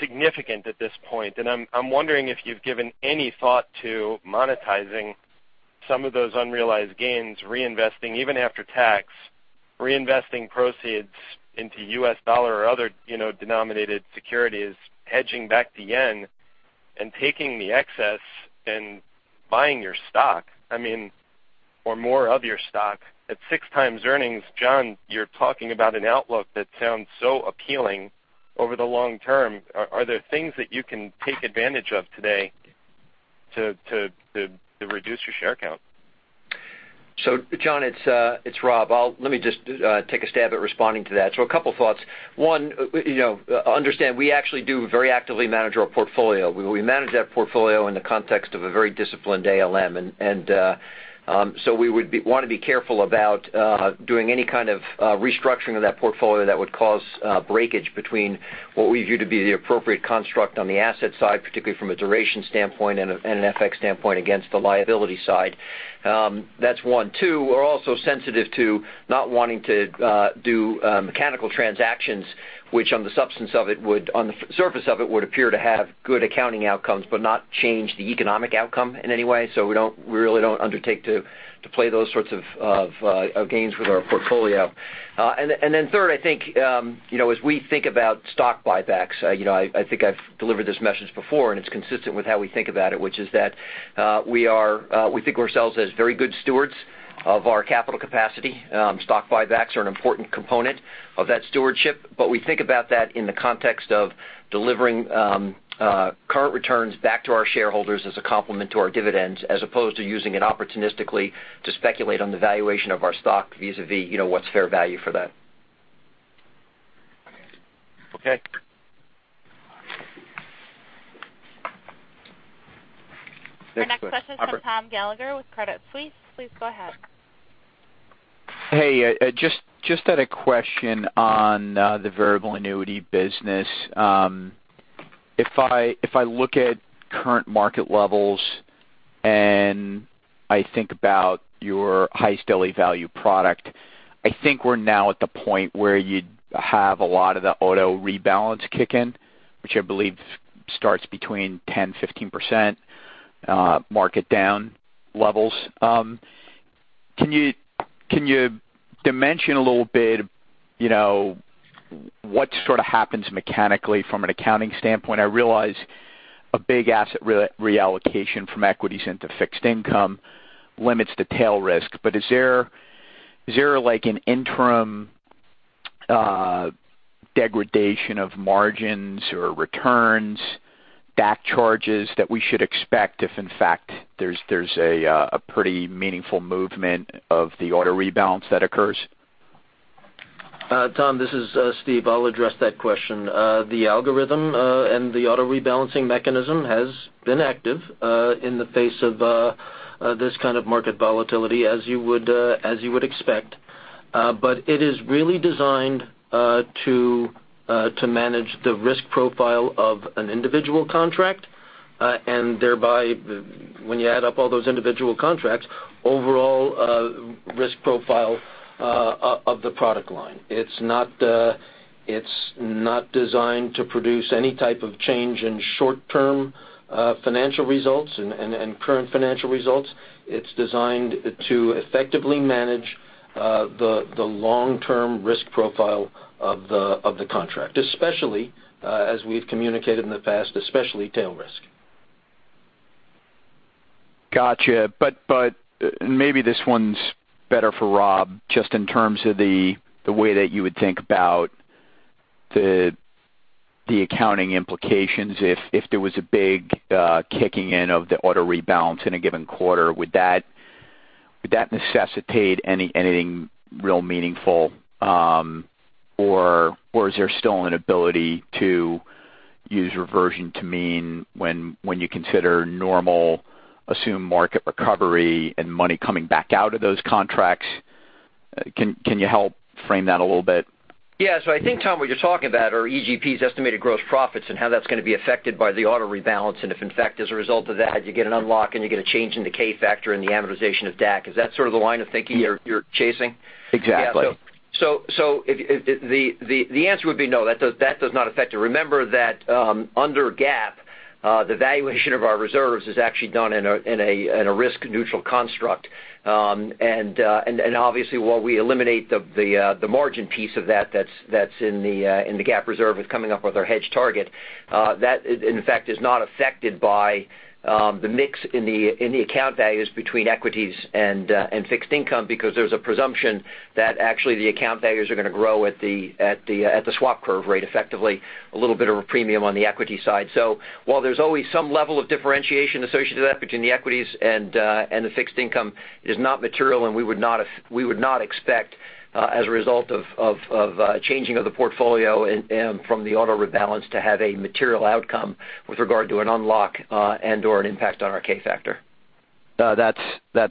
significant at this point. I'm wondering if you've given any thought to monetizing some of those unrealized gains, even after tax, reinvesting proceeds into U.S. dollar or other denominated securities, hedging back the yen, and taking the excess and buying your stock, or more of your stock. At six times earnings, John, you're talking about an outlook that sounds so appealing over the long term. Are there things that you can take advantage of today to reduce your share count? John, it's Rob. Let me just take a stab at responding to that. A couple thoughts. One, understand we actually do very actively manage our portfolio. We manage that portfolio in the context of a very disciplined ALM. We would want to be careful about doing any kind of restructuring of that portfolio that would cause breakage between what we view to be the appropriate construct on the asset side, particularly from a duration standpoint and an FX standpoint, against the liability side. That's one. Two, we're also sensitive to not wanting to do mechanical transactions, which on the surface of it would appear to have good accounting outcomes but not change the economic outcome in any way. We really don't undertake to play those sorts of games with our portfolio. Third, I think, as we think about stock buybacks, I think I've delivered this message before, and it's consistent with how we think about it, which is that we think of ourselves as very good stewards of our capital capacity. Stock buybacks are an important component of that stewardship, but we think about that in the context of delivering current returns back to our shareholders as a complement to our dividends, as opposed to using it opportunistically to speculate on the valuation of our stock vis-a-vis what's fair value for that. Okay. Our next question is from Tom Gallagher with Credit Suisse. Please go ahead. Hey, just had a question on the variable annuity business. If I look at current market levels and I think about your highest LA value product, I think we're now at the point where you'd have a lot of the auto rebalance kick in, which I believe starts between 10%-15% market down levels. Can you dimension a little bit what sort of happens mechanically from an accounting standpoint? I realize a big asset reallocation from equities into fixed income limits the tail risk, but is there an interim degradation of margins or returns, DAC charges that we should expect if in fact there's a pretty meaningful movement of the auto rebalance that occurs? Tom, this is Steve. I'll address that question. The algorithm and the auto rebalancing mechanism has been active in the face of this kind of market volatility, as you would expect. It is really designed to manage the risk profile of an individual contract, and thereby when you add up all those individual contracts, overall risk profile of the product line. It's not designed to produce any type of change in short-term financial results and current financial results. It's designed to effectively manage the long-term risk profile of the contract, especially as we've communicated in the past, especially tail risk. Got you. Maybe this one's better for Rob, just in terms of the way that you would think about the accounting implications if there was a big kicking in of the auto rebalance in a given quarter. Would that necessitate anything real meaningful? Or is there still an ability to use reversion to mean when you consider normal assumed market recovery and money coming back out of those contracts? Can you help frame that a little bit? Yeah. I think, Tom Gallagher, what you're talking about are EGP's estimated gross profits and how that's going to be affected by the auto rebalance. If in fact, as a result of that, you get an unlock and you get a change in the k-factor in the amortization of DAC. Is that sort of the line of thinking you're chasing? Exactly. The answer would be no. That does not affect it. Remember that under GAAP, the valuation of our reserves is actually done in a risk-neutral construct. Obviously, while we eliminate the margin piece of that's in the GAAP reserve with coming up with our hedge target. That in fact is not affected by the mix in the account values between equities and fixed income because there's a presumption that actually the account values are going to grow at the swap curve rate, effectively a little bit of a premium on the equity side. While there's always some level of differentiation associated with that between the equities and the fixed income, it is not material and we would not expect as a result of changing of the portfolio and from the auto rebalance to have a material outcome with regard to an unlock and or an impact on our k-factor. That's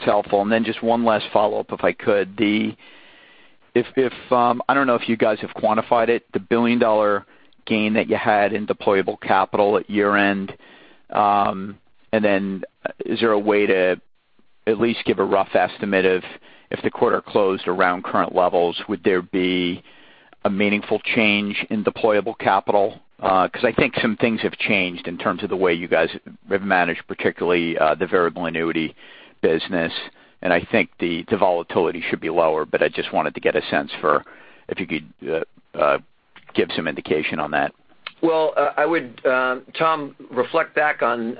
helpful. Just one last follow-up, if I could. I don't know if you guys have quantified it, the $1 billion gain that you had in deployable capital at year-end. Is there a way to at least give a rough estimate of, if the quarter closed around current levels, would there be a meaningful change in deployable capital? I think some things have changed in terms of the way you guys have managed, particularly the variable annuity business, and I think the volatility should be lower, but I just wanted to get a sense for if you could give some indication on that. Well, I would, Tom, reflect back on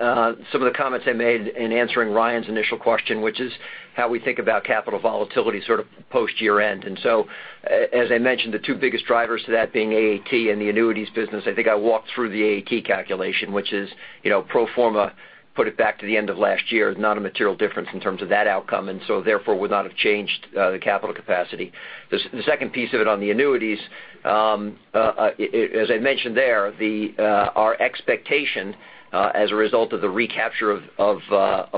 some of the comments I made in answering Ryan's initial question, which is how we think about capital volatility sort of post year-end. As I mentioned, the two biggest drivers to that being AAT and the annuities business. I think I walked through the AAT calculation, which is pro forma, put it back to the end of last year, not a material difference in terms of that outcome, therefore would not have changed the capital capacity. The second piece of it on the annuities, as I mentioned there, our expectation, as a result of the recapture of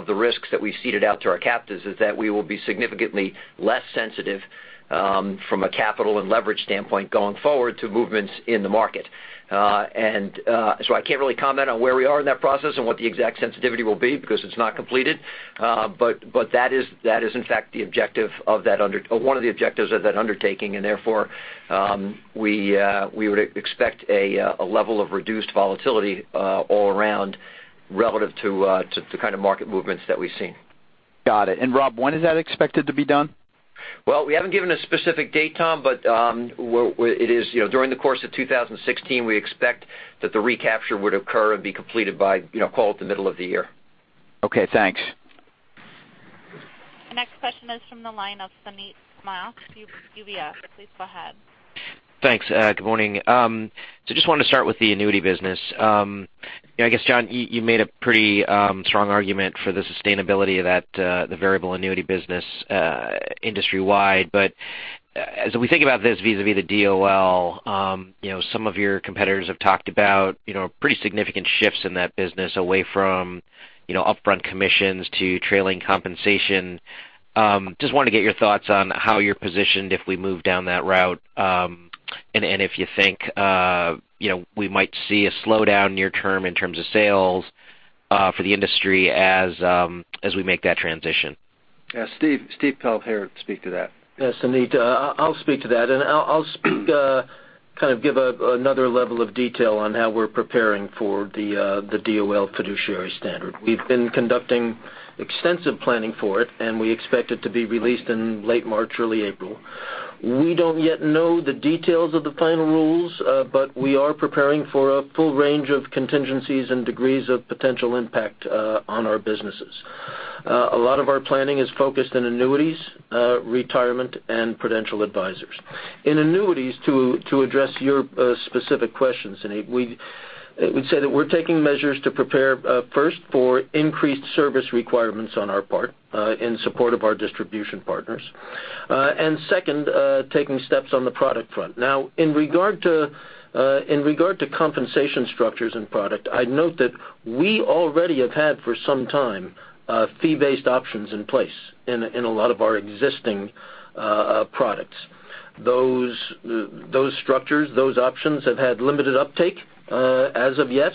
the risks that we seeded out to our captives, is that we will be significantly less sensitive from a capital and leverage standpoint going forward to movements in the market. I can't really comment on where we are in that process and what the exact sensitivity will be because it's not completed. That is in fact one of the objectives of that undertaking, and therefore, we would expect a level of reduced volatility all around relative to kind of market movements that we've seen. Got it. Rob, when is that expected to be done? We haven't given a specific date, Tom, but during the course of 2016, we expect that the recapture would occur and be completed by, call it, the middle of the year. Okay, thanks. The next question is from the line of Suneet Kamath, UBS. Please go ahead. Thanks. Good morning. Just wanted to start with the annuity business. I guess, John, you made a pretty strong argument for the sustainability of the variable annuity business industry-wide. But as we think about this vis-a-vis the DOL, some of your competitors have talked about pretty significant shifts in that business away from upfront commissions to trailing compensation. Just wanted to get your thoughts on how you're positioned if we move down that route, and if you think we might see a slowdown near term in terms of sales for the industry as we make that transition. Yeah, Steve Pelletier here. Speak to that. Yeah, Suneet, I'll speak to that, and I'll kind of give another level of detail on how we're preparing for the DOL fiduciary standard. We've been conducting extensive planning for it, and we expect it to be released in late March, early April. We don't yet know the details of the final rules, but we are preparing for a full range of contingencies and degrees of potential impact on our businesses. A lot of our planning is focused on annuities, retirement, and Prudential Advisors. In annuities, to address your specific questions, Suneet, we'd say that we're taking measures to prepare first for increased service requirements on our part in support of our distribution partners. Second, taking steps on the product front. Now, in regard to compensation structures and product, I'd note that we already have had for some time, fee-based options in place in a lot of our existing products. Those structures, those options have had limited uptake as of yet,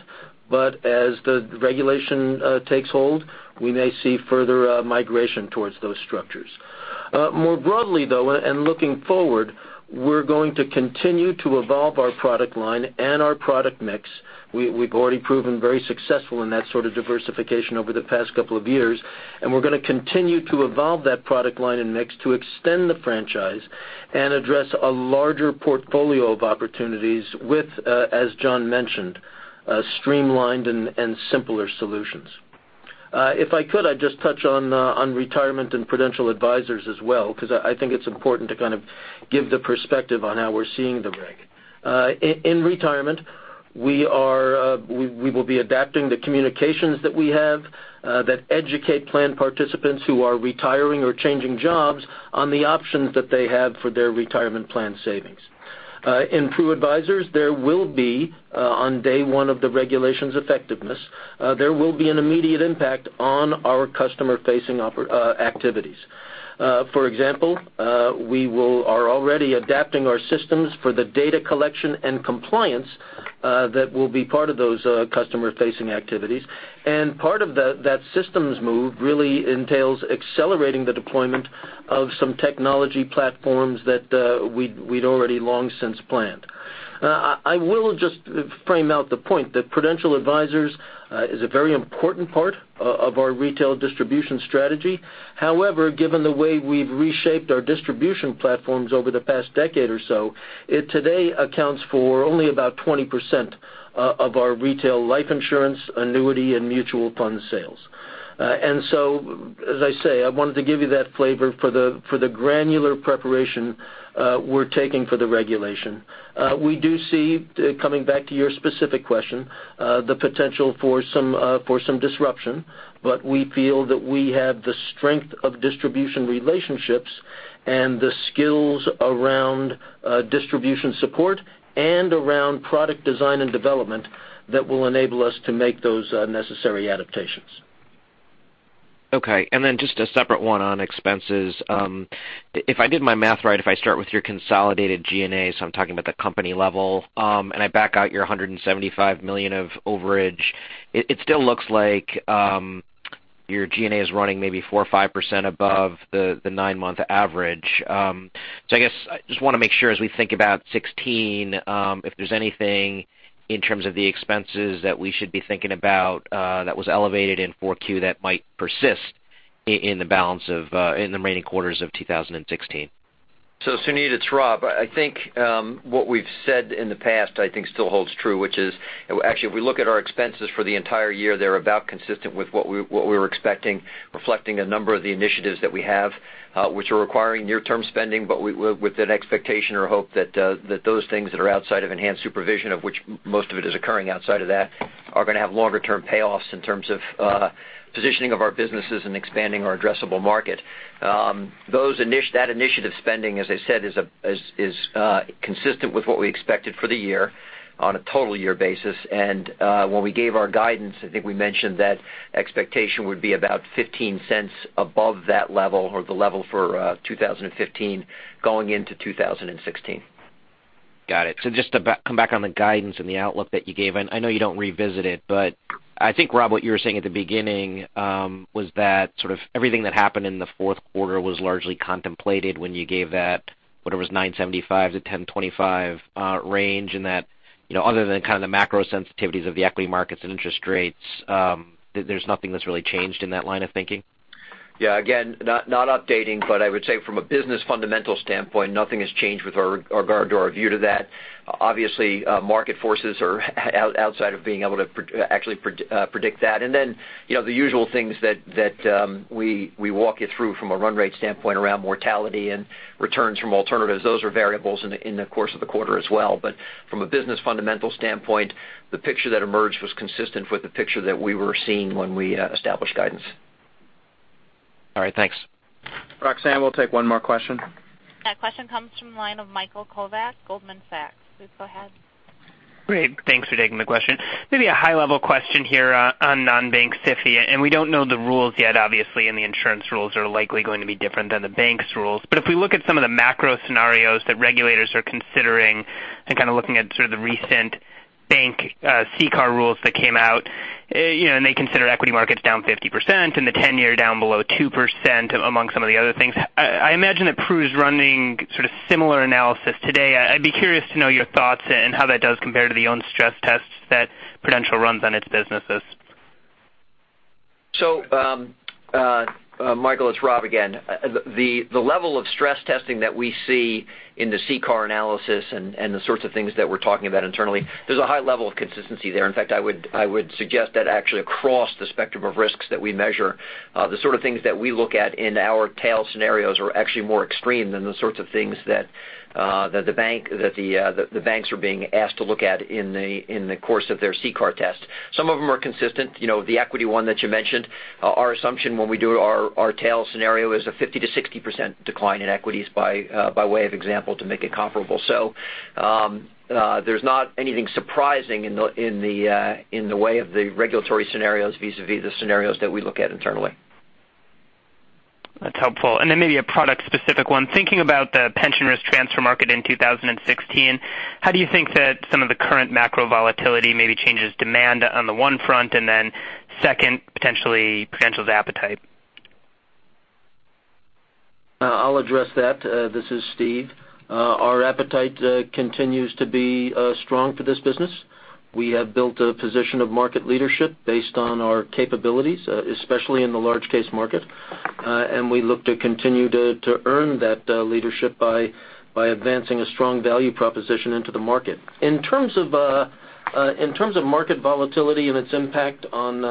but as the regulation takes hold, we may see further migration towards those structures. More broadly, though, and looking forward, we're going to continue to evolve our product line and our product mix. We've already proven very successful in that sort of diversification over the past couple of years, and we're going to continue to evolve that product line and mix to extend the franchise and address a larger portfolio of opportunities with, as John mentioned, streamlined and simpler solutions. If I could, I'd just touch on retirement and Prudential Advisors as well, because I think it's important to kind of give the perspective on how we're seeing the break. In retirement, we will be adapting the communications that we have that educate plan participants who are retiring or changing jobs on the options that they have for their retirement plan savings. In Pru Advisors, there will be, on day one of the regulation's effectiveness, there will be an immediate impact on our customer-facing activities. For example, we are already adapting our systems for the data collection and compliance that will be part of those customer-facing activities. Part of that systems move really entails accelerating the deployment of some technology platforms that we'd already long since planned. I will just frame out the point that Prudential Advisors is a very important part of our retail distribution strategy. However, given the way we've reshaped our distribution platforms over the past decade or so, it today accounts for only about 20% of our retail life insurance, annuity, and mutual fund sales. As I say, I wanted to give you that flavor for the granular preparation we're taking for the regulation. We do see, coming back to your specific question, the potential for some disruption, but we feel that we have the strength of distribution relationships and the skills around distribution support and around product design and development that will enable us to make those necessary adaptations. Just a separate one on expenses. If I did my math right, if I start with your consolidated G&A, so I'm talking about the company level, and I back out your $175 million of overage. It still looks like your G&A is running maybe 4% or 5% above the nine-month average. I just want to make sure as we think about 2016, if there's anything in terms of the expenses that we should be thinking about that was elevated in Q4 that might persist in the remaining quarters of 2016. Suneet, it's Rob. I think what we've said in the past still holds true, which is actually, if we look at our expenses for the entire year, they're about consistent with what we were expecting, reflecting a number of the initiatives that we have, which are requiring near-term spending, but with an expectation or hope that those things that are outside of enhanced supervision, of which most of it is occurring outside of that, are going to have longer-term payoffs in terms of positioning of our businesses and expanding our addressable market. That initiative spending, as I said, is consistent with what we expected for the year on a total year basis. When we gave our guidance, I think we mentioned that expectation would be about $0.15 above that level or the level for 2015 going into 2016. Got it. Just to come back on the guidance and the outlook that you gave, and I know you don't revisit it, but I think, Rob, what you were saying at the beginning, was that sort of everything that happened in the fourth quarter was largely contemplated when you gave that, whether it was $9.75-$10.25 range, and that other than kind of the macro sensitivities of the equity markets and interest rates, there's nothing that's really changed in that line of thinking? Yeah. Again, not updating, I would say from a business fundamental standpoint, nothing has changed with regard to our view to that. Obviously, market forces are outside of being able to actually predict that. The usual things that we walk you through from a run rate standpoint around mortality and returns from alternatives. Those are variables in the course of the quarter as well. From a business fundamental standpoint, the picture that emerged was consistent with the picture that we were seeing when we established guidance. All right, thanks. Roxanne, we'll take one more question. That question comes from the line of Michael Kovac, Goldman Sachs. Please go ahead. Great. Thanks for taking the question. Maybe a high-level question here on non-bank SIFI. We don't know the rules yet, obviously. The insurance rules are likely going to be different than the banks rules. If we look at some of the macro scenarios that regulators are considering and kind of looking at sort of the recent bank CCAR rules that came out, they consider equity markets down 50% and the 10-year down below 2% among some of the other things. I imagine that Pru is running sort of similar analysis today. I'd be curious to know your thoughts and how that does compare to the own stress tests that Prudential runs on its businesses. Michael, it's Rob again. The level of stress testing that we see in the CCAR analysis and the sorts of things that we're talking about internally, there's a high level of consistency there. In fact, I would suggest that actually across the spectrum of risks that we measure, the sort of things that we look at in our tail scenarios are actually more extreme than the sorts of things that the banks are being asked to look at in the course of their CCAR test. Some of them are consistent. The equity one that you mentioned, our assumption when we do our tail scenario is a 50%-60% decline in equities by way of example to make it comparable. There's not anything surprising in the way of the regulatory scenarios vis-a-vis the scenarios that we look at internally. That's helpful. Maybe a product specific one. Thinking about the pension risk transfer market in 2016, how do you think that some of the current macro volatility maybe changes demand on the one front and then second, potentially Prudential's appetite? I'll address that. This is Steve. Our appetite continues to be strong for this business. We have built a position of market leadership based on our capabilities, especially in the large case market. We look to continue to earn that leadership by advancing a strong value proposition into the market. In terms of market volatility and its impact on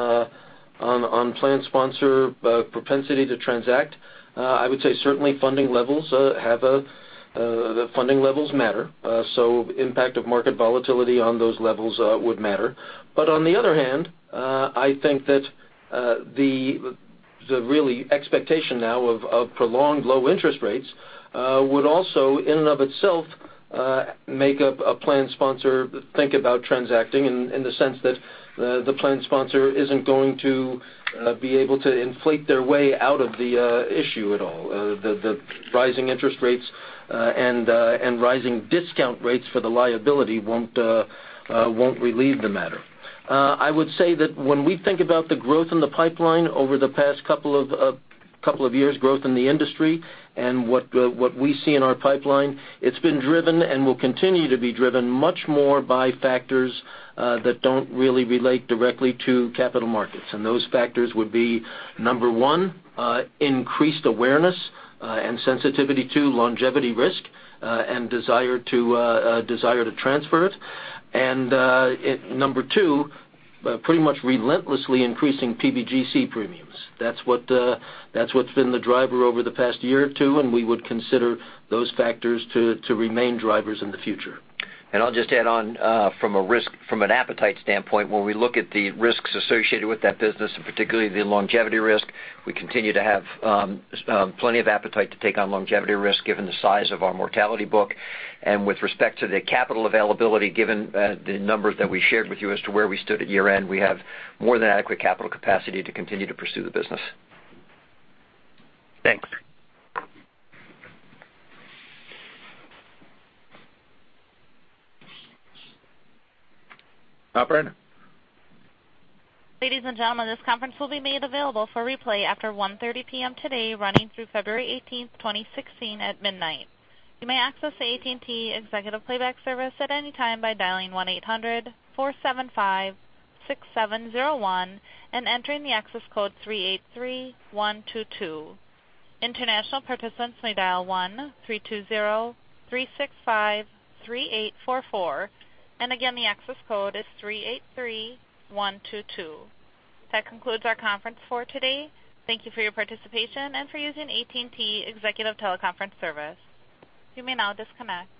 plan sponsor propensity to transact, I would say certainly funding levels matter. Impact of market volatility on those levels would matter. On the other hand, I think that the really expectation now of prolonged low interest rates would also in and of itself make a plan sponsor think about transacting in the sense that the plan sponsor isn't going to be able to inflate their way out of the issue at all. The rising interest rates and rising discount rates for the liability won't relieve the matter. I would say that when we think about the growth in the pipeline over the past couple of years, growth in the industry and what we see in our pipeline, it's been driven and will continue to be driven much more by factors that don't really relate directly to capital markets. Those factors would be, number 1, increased awareness and sensitivity to longevity risk, and desire to transfer it. Number 2, pretty much relentlessly increasing PBGC premiums. That's what's been the driver over the past year or two, and we would consider those factors to remain drivers in the future. I'll just add on from an appetite standpoint, when we look at the risks associated with that business and particularly the longevity risk, we continue to have plenty of appetite to take on longevity risk given the size of our mortality book. With respect to the capital availability, given the numbers that we shared with you as to where we stood at year-end, we have more than adequate capital capacity to continue to pursue the business. Thanks. Operator? Ladies and gentlemen, this conference will be made available for replay after 1:30 P.M. today running through February 18th, 2016 at midnight. You may access the AT&T Executive Playback service at any time by dialing 1-800-475-6701 and entering the access code 383122. International participants may dial 1-320-365-3844, again, the access code is 383122. That concludes our conference for today. Thank you for your participation and for using AT&T Executive Teleconference service. You may now disconnect.